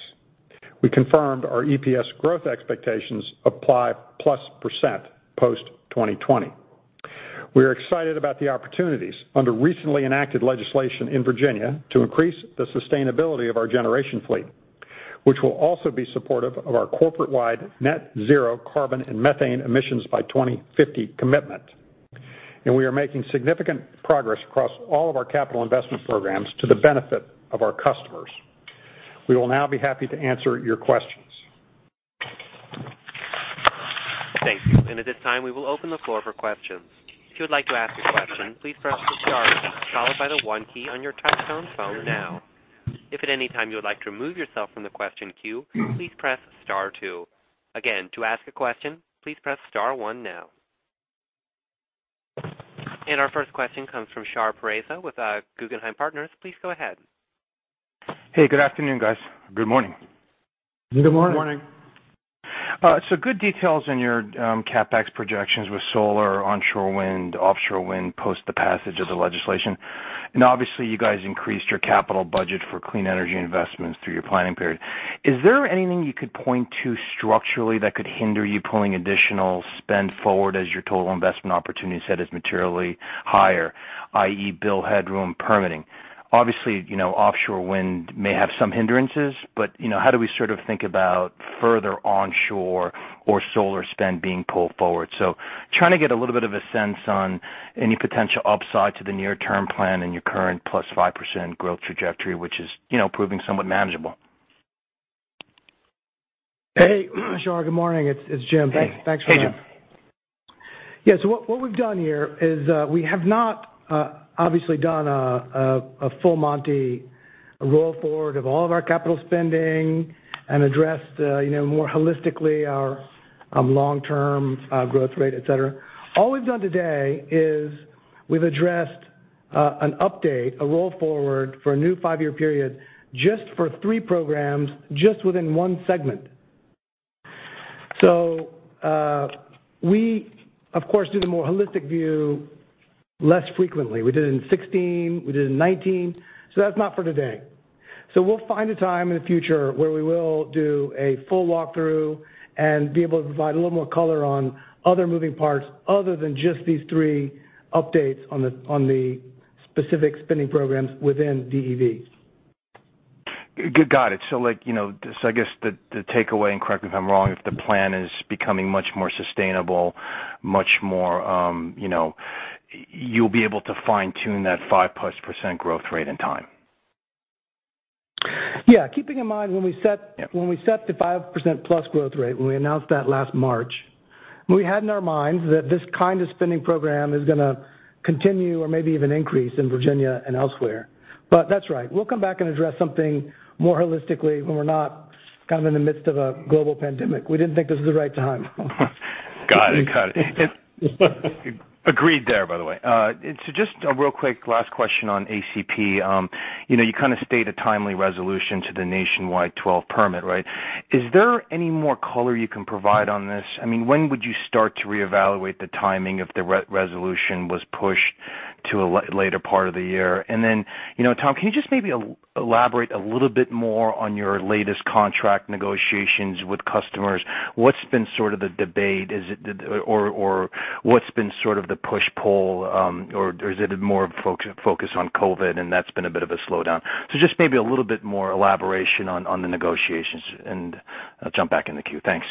We confirmed our EPS growth expectations apply plus percent post-2020. We are excited about the opportunities under recently enacted legislation in Virginia to increase the sustainability of our generation fleet, which will also be supportive of our corporate-wide net zero carbon and methane emissions by 2050 commitment. We are making significant progress across all of our capital investment programs to the benefit of our customers. We will now be happy to answer your questions. Thank you. At this time, we will open the floor for questions. If you would like to ask a question, please press the star key, followed by the one key on your touch-tone phone now. If at any time you would like to remove yourself from the question queue, please press star two. Again, to ask a question, please press star one now. Our first question comes from Shar Pourreza with Guggenheim Partners. Please go ahead. Hey, good afternoon, guys. Good morning. Good morning. Good details in your CapEx projections with solar, onshore wind, offshore wind, post the passage of the legislation. Obviously you guys increased your capital budget for clean energy investments through your planning period. Is there anything you could point to structurally that could hinder you pulling additional spend forward as your total investment opportunity set is materially higher, i.e. bill headroom permitting? Obviously, offshore wind may have some hindrances, but how do we sort of think about further onshore or solar spend being pulled forward? Trying to get a little bit of a sense on any potential upside to the near-term plan and your current plus 5% growth trajectory, which is proving somewhat manageable. Hey, Shar, good morning. It's Jim. Hey, Jim. Thanks for that. What we've done here is we have not obviously done a full Monty roll forward of all of our capital spending and addressed more holistically our long-term growth rate, et cetera. All we've done today is we've addressed an update, a roll forward for a new five-year period, just for three programs, just within one segment. We of course do the more holistic view less frequently. We did it in 2016, we did it in 2019. That's not for today. We'll find a time in the future where we will do a full walkthrough and be able to provide a little more color on other moving parts other than just these three updates on the specific spending programs within DEV. Got it. I guess the takeaway, and correct me if I'm wrong, if the plan is becoming much more sustainable, you'll be able to fine-tune that 5%+ growth rate in time. Yeah. Keeping in mind when we. Yeah when we set the 5%+ growth rate, when we announced that last March, we had in our minds that this kind of spending program is going to continue or maybe even increase in Virginia and elsewhere. That's right. We'll come back and address something more holistically when we're not kind of in the midst of a global pandemic. We didn't think this was the right time. Got it. Got it. Agreed there, by the way. Just a real quick last question on ACP. You kind of state a timely resolution to the Nationwide Permit 12, right? Is there any more color you can provide on this? When would you start to reevaluate the timing if the resolution was pushed to a later part of the year? Tom, can you just maybe elaborate a little bit more on your latest contract negotiations with customers? What's been sort of the debate? What's been sort of the push, pull or is it more of a focus on COVID-19, and that's been a bit of a slowdown? Just maybe a little bit more elaboration on the negotiations, and I'll jump back in the queue. Thanks.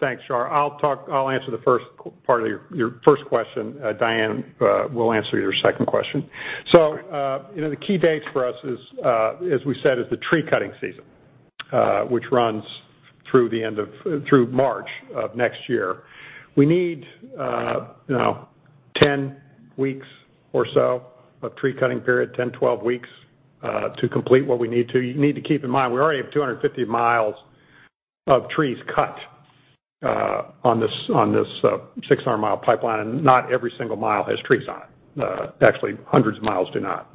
Thanks, Shar. I'll answer the first part of your first question. Diane will answer your second question. The key dates for us is, as we said, is the tree-cutting season, which runs through March of next year. We need 10 weeks or so of tree-cutting period, 10, 12 weeks to complete what we need to. You need to keep in mind, we already have 250 mi of trees cut on this 600-mi pipeline. Not every single mile has trees on it. Actually, hundreds of miles do not.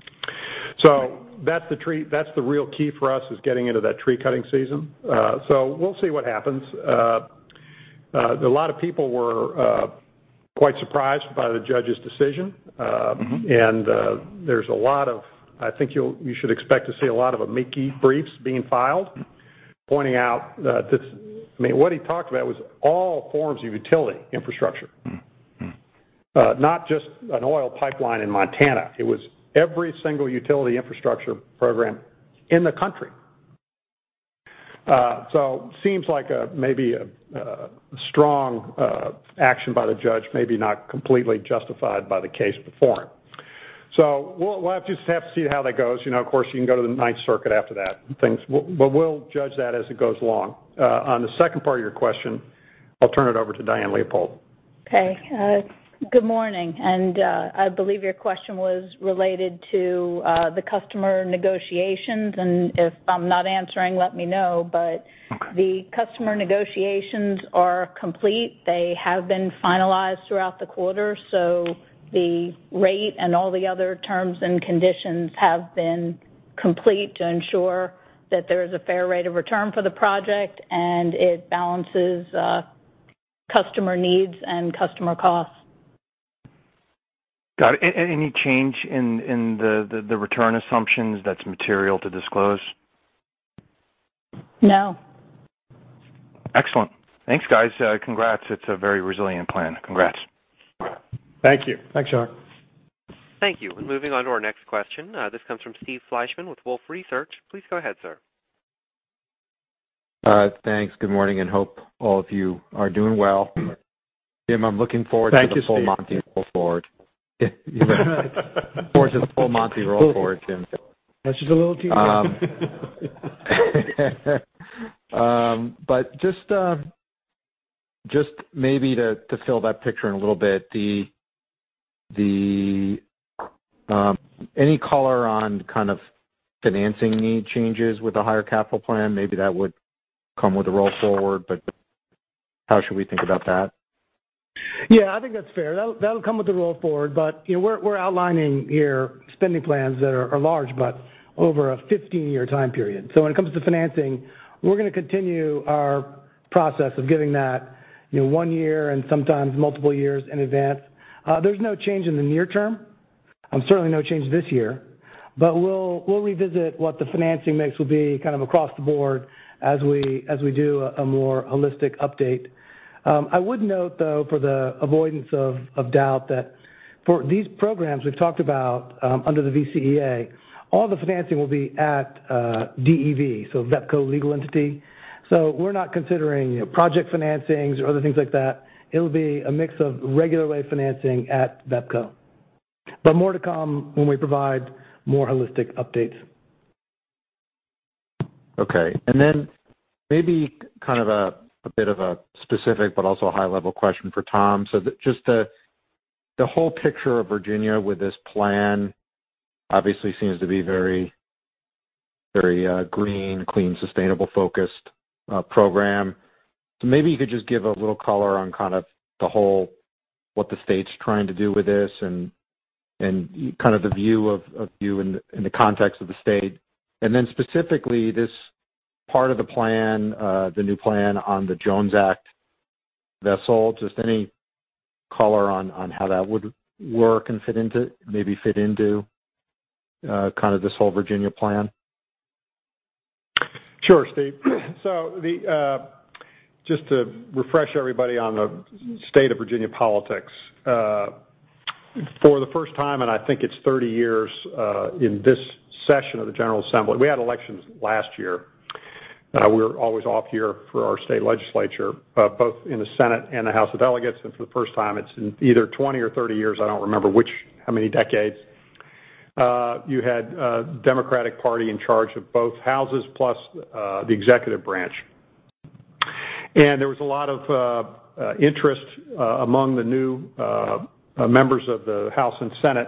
That's the real key for us is getting into that tree-cutting season. We'll see what happens. A lot of people were quite surprised by the judge's decision. I think you should expect to see a lot of amicus briefs being filed, pointing out that. What he talked about was all forms of utility infrastructure. Not just an oil pipeline in Montana. It was every single utility infrastructure program in the country. Seems like maybe a strong action by the judge, maybe not completely justified by the case before him. We'll have to just have to see how that goes. Of course, you can go to the Ninth Circuit after that and things, but we'll judge that as it goes along. On the second part of your question, I'll turn it over to Diane Leopold. Okay. Good morning, I believe your question was related to the customer negotiations, if I'm not answering, let me know. Okay. The customer negotiations are complete. They have been finalized throughout the quarter, so the rate and all the other terms and conditions have been complete to ensure that there is a fair rate of return for the project, and it balances customer needs and customer costs. Got it. Any change in the return assumptions that's material to disclose? No. Excellent. Thanks, guys. Congrats. It's a very resilient plan. Congrats. Thank you. Thanks, y'all. Thank you. Moving on to our next question. This comes from Steve Fleishman with Wolfe Research. Please go ahead, sir. Thanks. Good morning, and hope all of you are doing well. Thank you, Steve. Jim, I'm looking forward to the full Monty roll forward. Forward to the full Monty roll forward, Jim. That's just a little too much. Just maybe to fill that picture in a little bit, any color on kind of financing need changes with the higher capital plan? Maybe that would come with a roll forward, but how should we think about that? Yeah, I think that's fair. That'll come with the roll forward. We're outlining here spending plans that are large but over a 15-year time period. When it comes to financing, we're going to continue our process of giving that one year and sometimes multiple years in advance. There's no change in the near term, and certainly no change this year, but we'll revisit what the financing mix will be kind of across the board as we do a more holistic update. I would note, though, for the avoidance of doubt, that for these programs we've talked about under the VCEA, all the financing will be at DEV, so VEPCO legal entity. We're not considering project financings or other things like that. It'll be a mix of regular way financing at VEPCO. More to come when we provide more holistic updates. Okay. Then maybe kind of a bit of a specific but also a high-level question for Tom. Just the whole picture of Virginia with this plan obviously seems to be very green, clean, sustainable-focused program. So maybe you could just give a little color on kind of the whole, what the state's trying to do with this and kind of the view of you in the context of the state. Specifically, this part of the plan, the new plan on the Jones Act vessel, just any color on how that would work and maybe fit into kind of this whole Virginia plan? Sure, Steve. Just to refresh everybody on the state of Virginia politics. For the first time in I think it's 30 years, in this session of the General Assembly, we had elections last year. We're always off year for our state legislature both in the Senate and the House of Delegates, for the first time it's in either 20 or 30 years, I don't remember how many decades, you had Democratic Party in charge of both houses plus the executive branch. There was a lot of interest among the new members of the House and Senate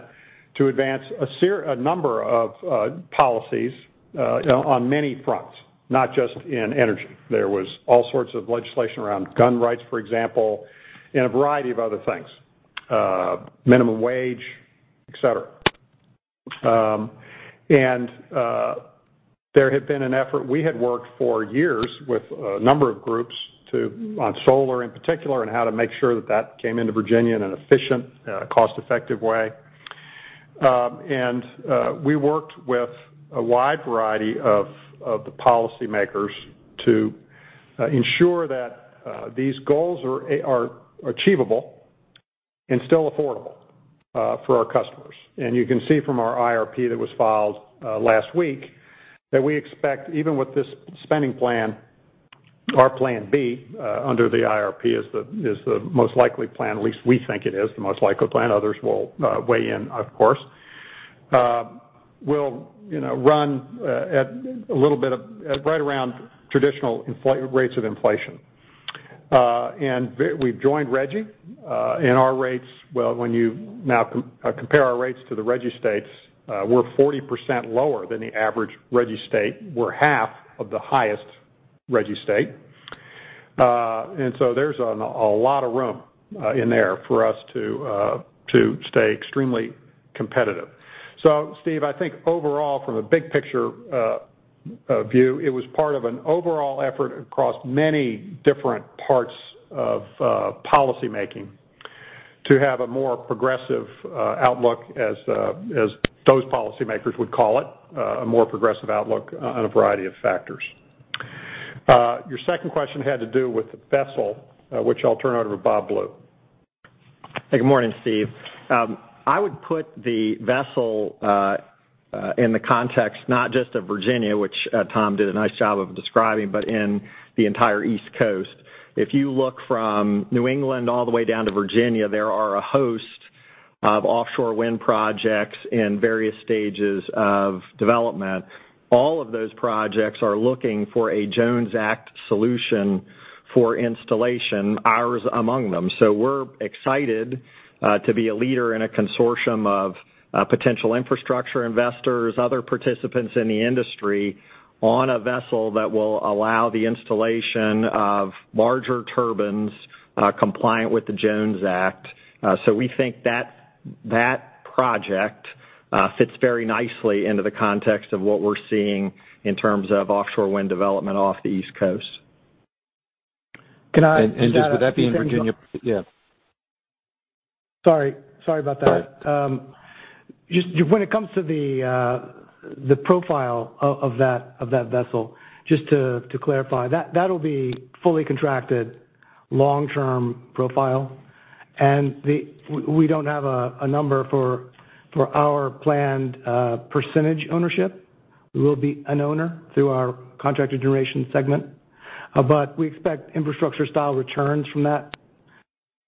to advance a number of policies on many fronts, not just in energy. There was all sorts of legislation around gun rights, for example, and a variety of other things. Minimum wage, et cetera. There had been an effort, we had worked for years with a number of groups on solar in particular, on how to make sure that came into Virginia in an efficient, cost-effective way. We worked with a wide variety of the policymakers to ensure that these goals are achievable and still affordable for our customers. You can see from our IRP that was filed last week that we expect, even with this spending plan, our plan B under the IRP is the most likely plan. At least we think it is the most likely plan. Others will weigh in, of course. Will run at a little bit of right around traditional rates of inflation. We've joined RGGI, and our rates, well, when you now compare our rates to the RGGI states, we're 40% lower than the average RGGI state. We're half of the highest RGGI state. There's a lot of room in there for us to stay extremely competitive. Steve, I think overall, from a big picture view, it was part of an overall effort across many different parts of policymaking to have a more progressive outlook as those policymakers would call it, a more progressive outlook on a variety of factors. Your second question had to do with the vessel, which I'll turn over to Bob Blue. Hey, good morning, Steve. I would put the vessel in the context not just of Virginia, which Tom did a nice job of describing, but in the entire East Coast. If you look from New England all the way down to Virginia, there are a host of offshore wind projects in various stages of development. All of those projects are looking for a Jones Act solution for installation, ours among them. We're excited to be a leader in a consortium of potential infrastructure investors, other participants in the industry, on a vessel that will allow the installation of larger turbines compliant with the Jones Act. We think that project fits very nicely into the context of what we're seeing in terms of offshore wind development off the East Coast. Can I add a few things? Would that be in Virginia? Yeah. Sorry. Sorry about that. All right. When it comes to the profile of that vessel, just to clarify, that'll be fully contracted long-term profile. We don't have a number for our planned percentage ownership. We will be an owner through our contracted generation segment, but we expect infrastructure-style returns from that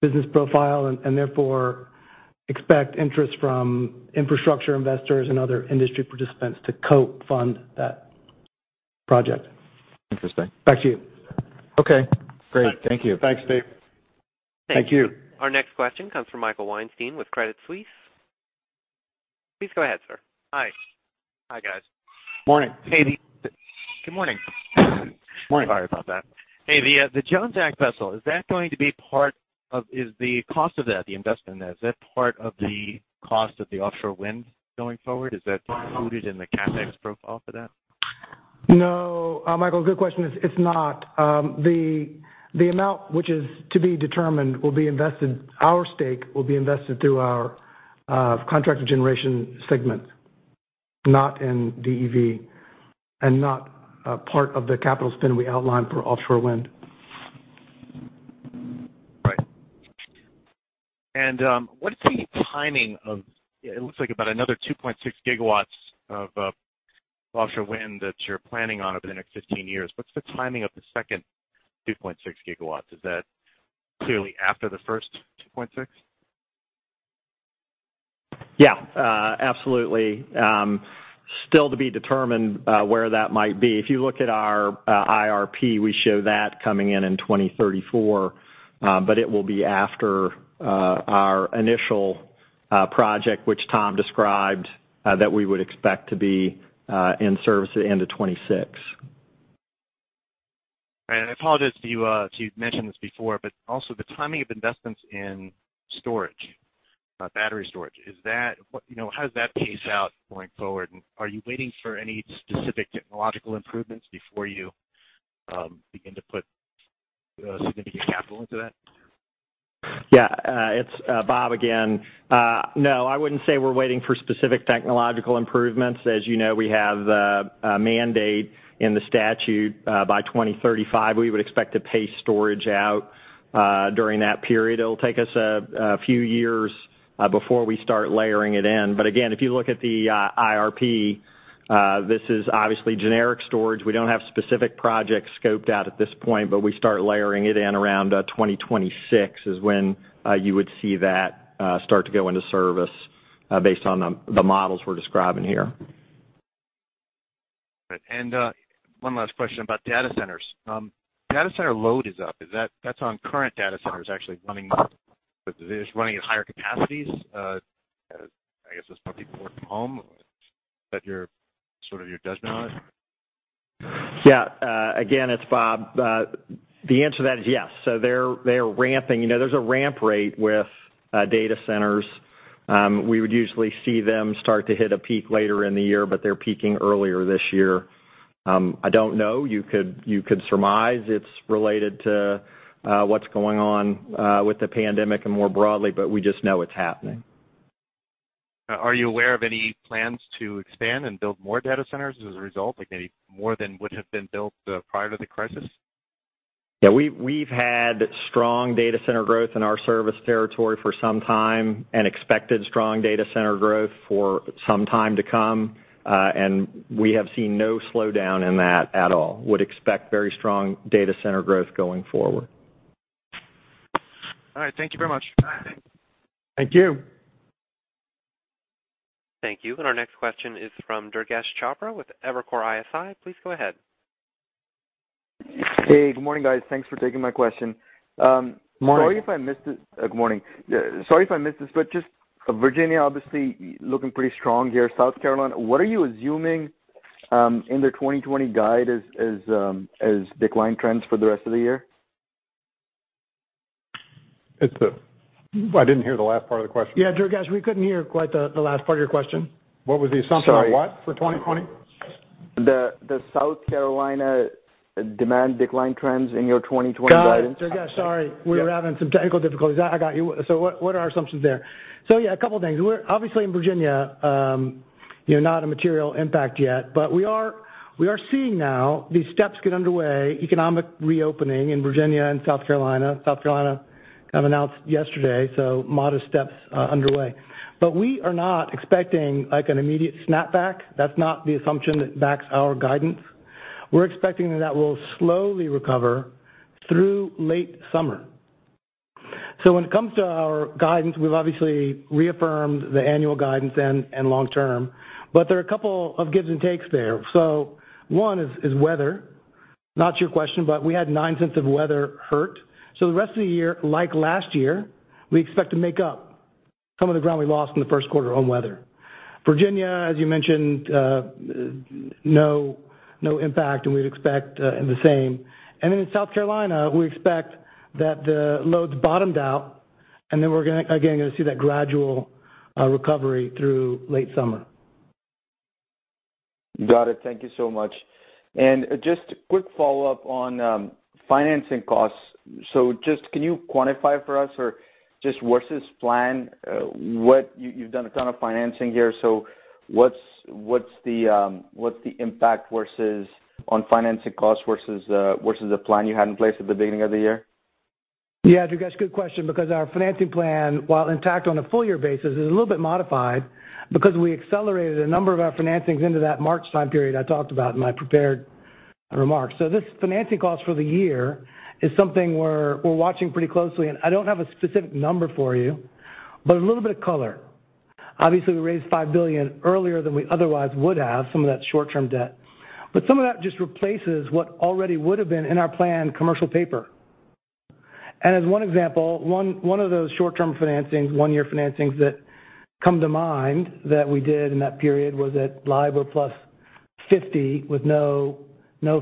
business profile and therefore expect interest from infrastructure investors and other industry participants to co-fund that project. Interesting. Thank you. Okay, great. Thank you. Thanks, Steve. Thank you. Thank you. Our next question comes from Michael Weinstein with Credit Suisse. Please go ahead, sir. Hi. Hi guys. Morning. Hey. Good morning. Morning. Sorry about that. Hey, the Jones Act vessel, is the cost of that, the investment in that, is that part of the cost of the offshore wind going forward? Is that included in the CapEx profile for that? No, Michael, good question. It's not. The amount which is to be determined, our stake will be invested through our contracted generation segment, not in DEV and not part of the capital spend we outlined for offshore wind. Right. What's the timing of about another 2.6 GW of offshore wind that you're planning on over the next 15 years? What's the timing of the second 2.6 GW? Is that clearly after the first 2.6 GW? Yeah, absolutely. Still to be determined where that might be. If you look at our IRP, we show that coming in in 2034, but it will be after our initial project, which Tom described, that we would expect to be in service at the end of 2026. I apologize if you mentioned this before, but also the timing of investments in storage, battery storage. How does that pace out going forward? Are you waiting for any specific technological improvements before you begin to put significant capital into that? Yeah, it's Bob again. No, I wouldn't say we're waiting for specific technological improvements. As you know, we have a mandate in the statute. By 2035, we would expect to pace storage out during that period. It'll take us a few years before we start layering it in. Again, if you look at the IRP, this is obviously generic storage. We don't have specific projects scoped out at this point, but we start layering it in around 2026 is when you would see that start to go into service based on the models we're describing here. Right. One last question about data centers. Data center load is up. That's on current data centers actually running at higher capacities, I guess, as more people work from home. Is that sort of your judgment on it? Again, it's Bob. The answer to that is yes. They are ramping. There's a ramp rate with data centers. We would usually see them start to hit a peak later in the year, but they're peaking earlier this year. I don't know. You could surmise it's related to what's going on with the pandemic and more broadly, but we just know it's happening. Are you aware of any plans to expand and build more data centers as a result, like maybe more than would have been built prior to the crisis? Yeah, we've had strong data center growth in our service territory for some time and expected strong data center growth for some time to come. We have seen no slowdown in that at all. We would expect very strong data center growth going forward. All right. Thank you very much. Thank you. Thank you. Our next question is from Durgesh Chopra with Evercore ISI. Please go ahead. Hey, good morning, guys. Thanks for taking my question. Morning. Sorry if I missed it. Good morning. Sorry if I missed this. Virginia obviously looking pretty strong here. South Carolina, what are you assuming in their 2020 guide as decline trends for the rest of the year? I didn't hear the last part of the question. Yeah, Durgesh, we couldn't hear quite the last part of your question. What was the assumption on what for 2020? The South Carolina demand decline trends in your 2020 guidance. Got it. Yeah, sorry. We were having some technical difficulties. I got you. What are our assumptions there? Yeah, a couple things. Obviously in Virginia, not a material impact yet, but we are seeing now these steps get underway, economic reopening in Virginia and South Carolina. South Carolina kind of announced yesterday, modest steps are underway. We are not expecting an immediate snapback. That's not the assumption that backs our guidance. We're expecting that that will slowly recover through late summer. When it comes to our guidance, we've obviously reaffirmed the annual guidance and long-term, there are a couple of gives and takes there. One is weather. Not your question, we had $0.09 of weather hurt. The rest of the year, like last year, we expect to make up some of the ground we lost in the first quarter on weather. Virginia, as you mentioned, no impact, and we'd expect the same. In South Carolina, we expect that the loads bottomed out, and then we're, again, going to see that gradual recovery through late summer. Got it. Thank you so much. Just a quick follow-up on financing costs. Just can you quantify for us or just versus plan, what you've done a ton of financing here, so what's the impact on financing costs versus the plan you had in place at the beginning of the year? Yeah, Durgesh, good question because our financing plan, while intact on a full year basis, is a little bit modified because we accelerated a number of our financings into that March time period I talked about in my prepared remarks. This financing cost for the year is something we're watching pretty closely, and I don't have a specific number for you, but a little bit of color. Obviously, we raised $5 billion earlier than we otherwise would have, some of that short-term debt. Some of that just replaces what already would've been in our plan commercial paper. As one example, one of those short-term financings, one-year financings that come to mind that we did in that period was at LIBOR plus 50 with no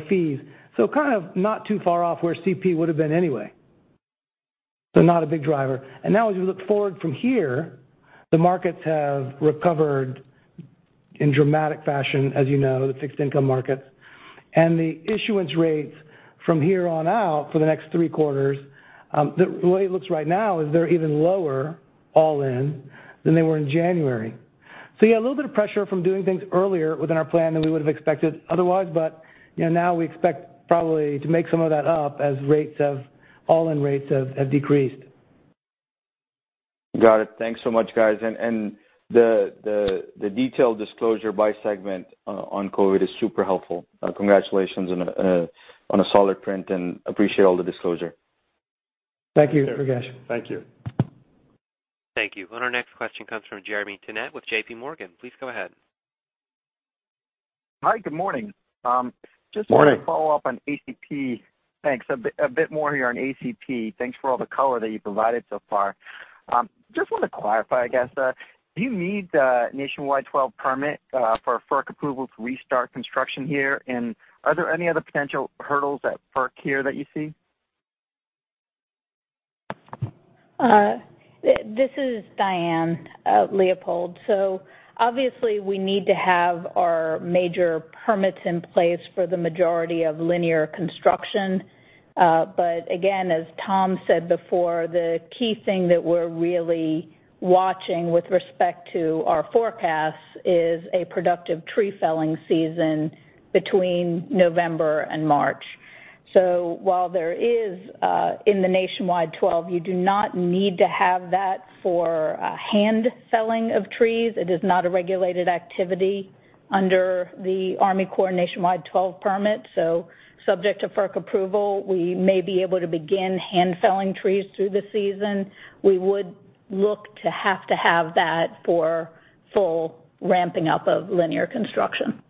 fees. Kind of not too far off where CP would've been anyway. Not a big driver. Now as we look forward from here, the markets have recovered in dramatic fashion, as you know, the fixed income markets. The issuance rates from here on out for the next three quarters, the way it looks right now is they're even lower all in than they were in January. Yeah, a little bit of pressure from doing things earlier within our plan than we would've expected otherwise, but now we expect probably to make some of that up as all-in rates have decreased. Got it. Thanks so much, guys. The detailed disclosure by segment on COVID is super helpful. Congratulations on a solid print and appreciate all the disclosure. Thank you, Durgesh. Thank you. Thank you. Our next question comes from Jeremy Tonet with JPMorgan. Please go ahead. Hi, good morning. Morning. Just wanted to follow up on ACP. Thanks. A bit more here on ACP. Thanks for all the color that you provided so far. Just want to clarify, I guess. Do you need the Nationwide Permit 12 for FERC approval to restart construction here? Are there any other potential hurdles at FERC here that you see? This is Diane Leopold. Obviously we need to have our major permits in place for the majority of linear construction. Again, as Tom said before, the key thing that we're really watching with respect to our forecasts is a productive tree-felling season between November and March. While there is in the Nationwide Permit 12, you do not need to have that for hand-felling of trees. It is not a regulated activity under the Army Corps Nationwide Permit 12 permit. Subject to FERC approval, we may be able to begin hand-felling trees through the season. We would look to have to have that for full ramping up of linear construction.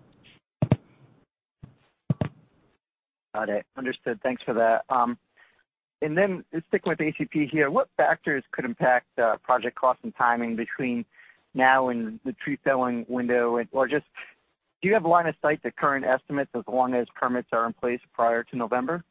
Got it. Understood. Thanks for that. Then sticking with ACP here, what factors could impact project cost and timing between now and the tree-felling window? Just do you have line of sight to current estimates as long as permits are in place prior to November?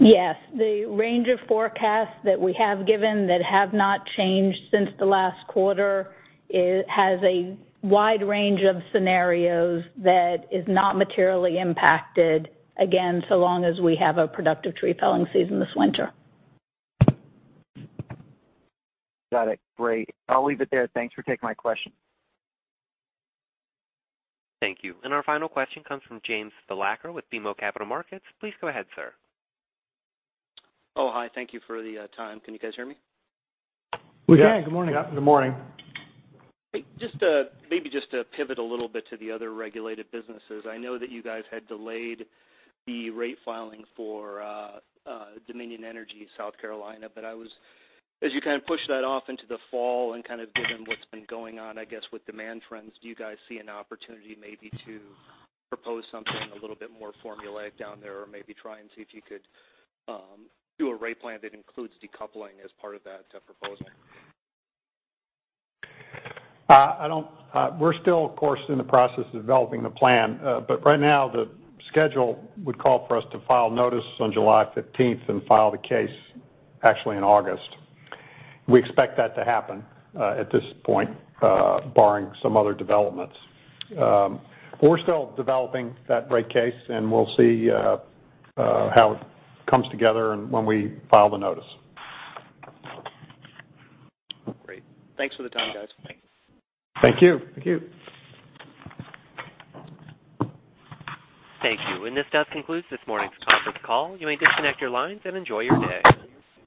Yes. The range of forecasts that we have given that have not changed since the last quarter has a wide range of scenarios that is not materially impacted, again, so long as we have a productive tree-felling season this winter. Got it. Great. I'll leave it there. Thanks for taking my question. Thank you. Our final question comes from James Thalacker with BMO Capital Markets. Please go ahead, sir. Oh, hi. Thank you for the time. Can you guys hear me? We can. Good morning. Yeah. Good morning. Hey, just to maybe just to pivot a little bit to the other regulated businesses. I know that you guys had delayed the rate filing for Dominion Energy South Carolina. As you kind of pushed that off into the fall and kind of given what's been going on, I guess, with demand trends, do you guys see an opportunity maybe to propose something a little bit more formulaic down there or maybe try and see if you could do a rate plan that includes decoupling as part of that proposal? We're still, of course, in the process of developing the plan. Right now the schedule would call for us to file notice on July 15th and file the case actually in August. We expect that to happen, at this point, barring some other developments. We're still developing that rate case, and we'll see how it comes together and when we file the notice. Great. Thanks for the time, guys. Thank you. Thank you. Thank you. This does conclude this morning's conference call. You may disconnect your lines and enjoy your day.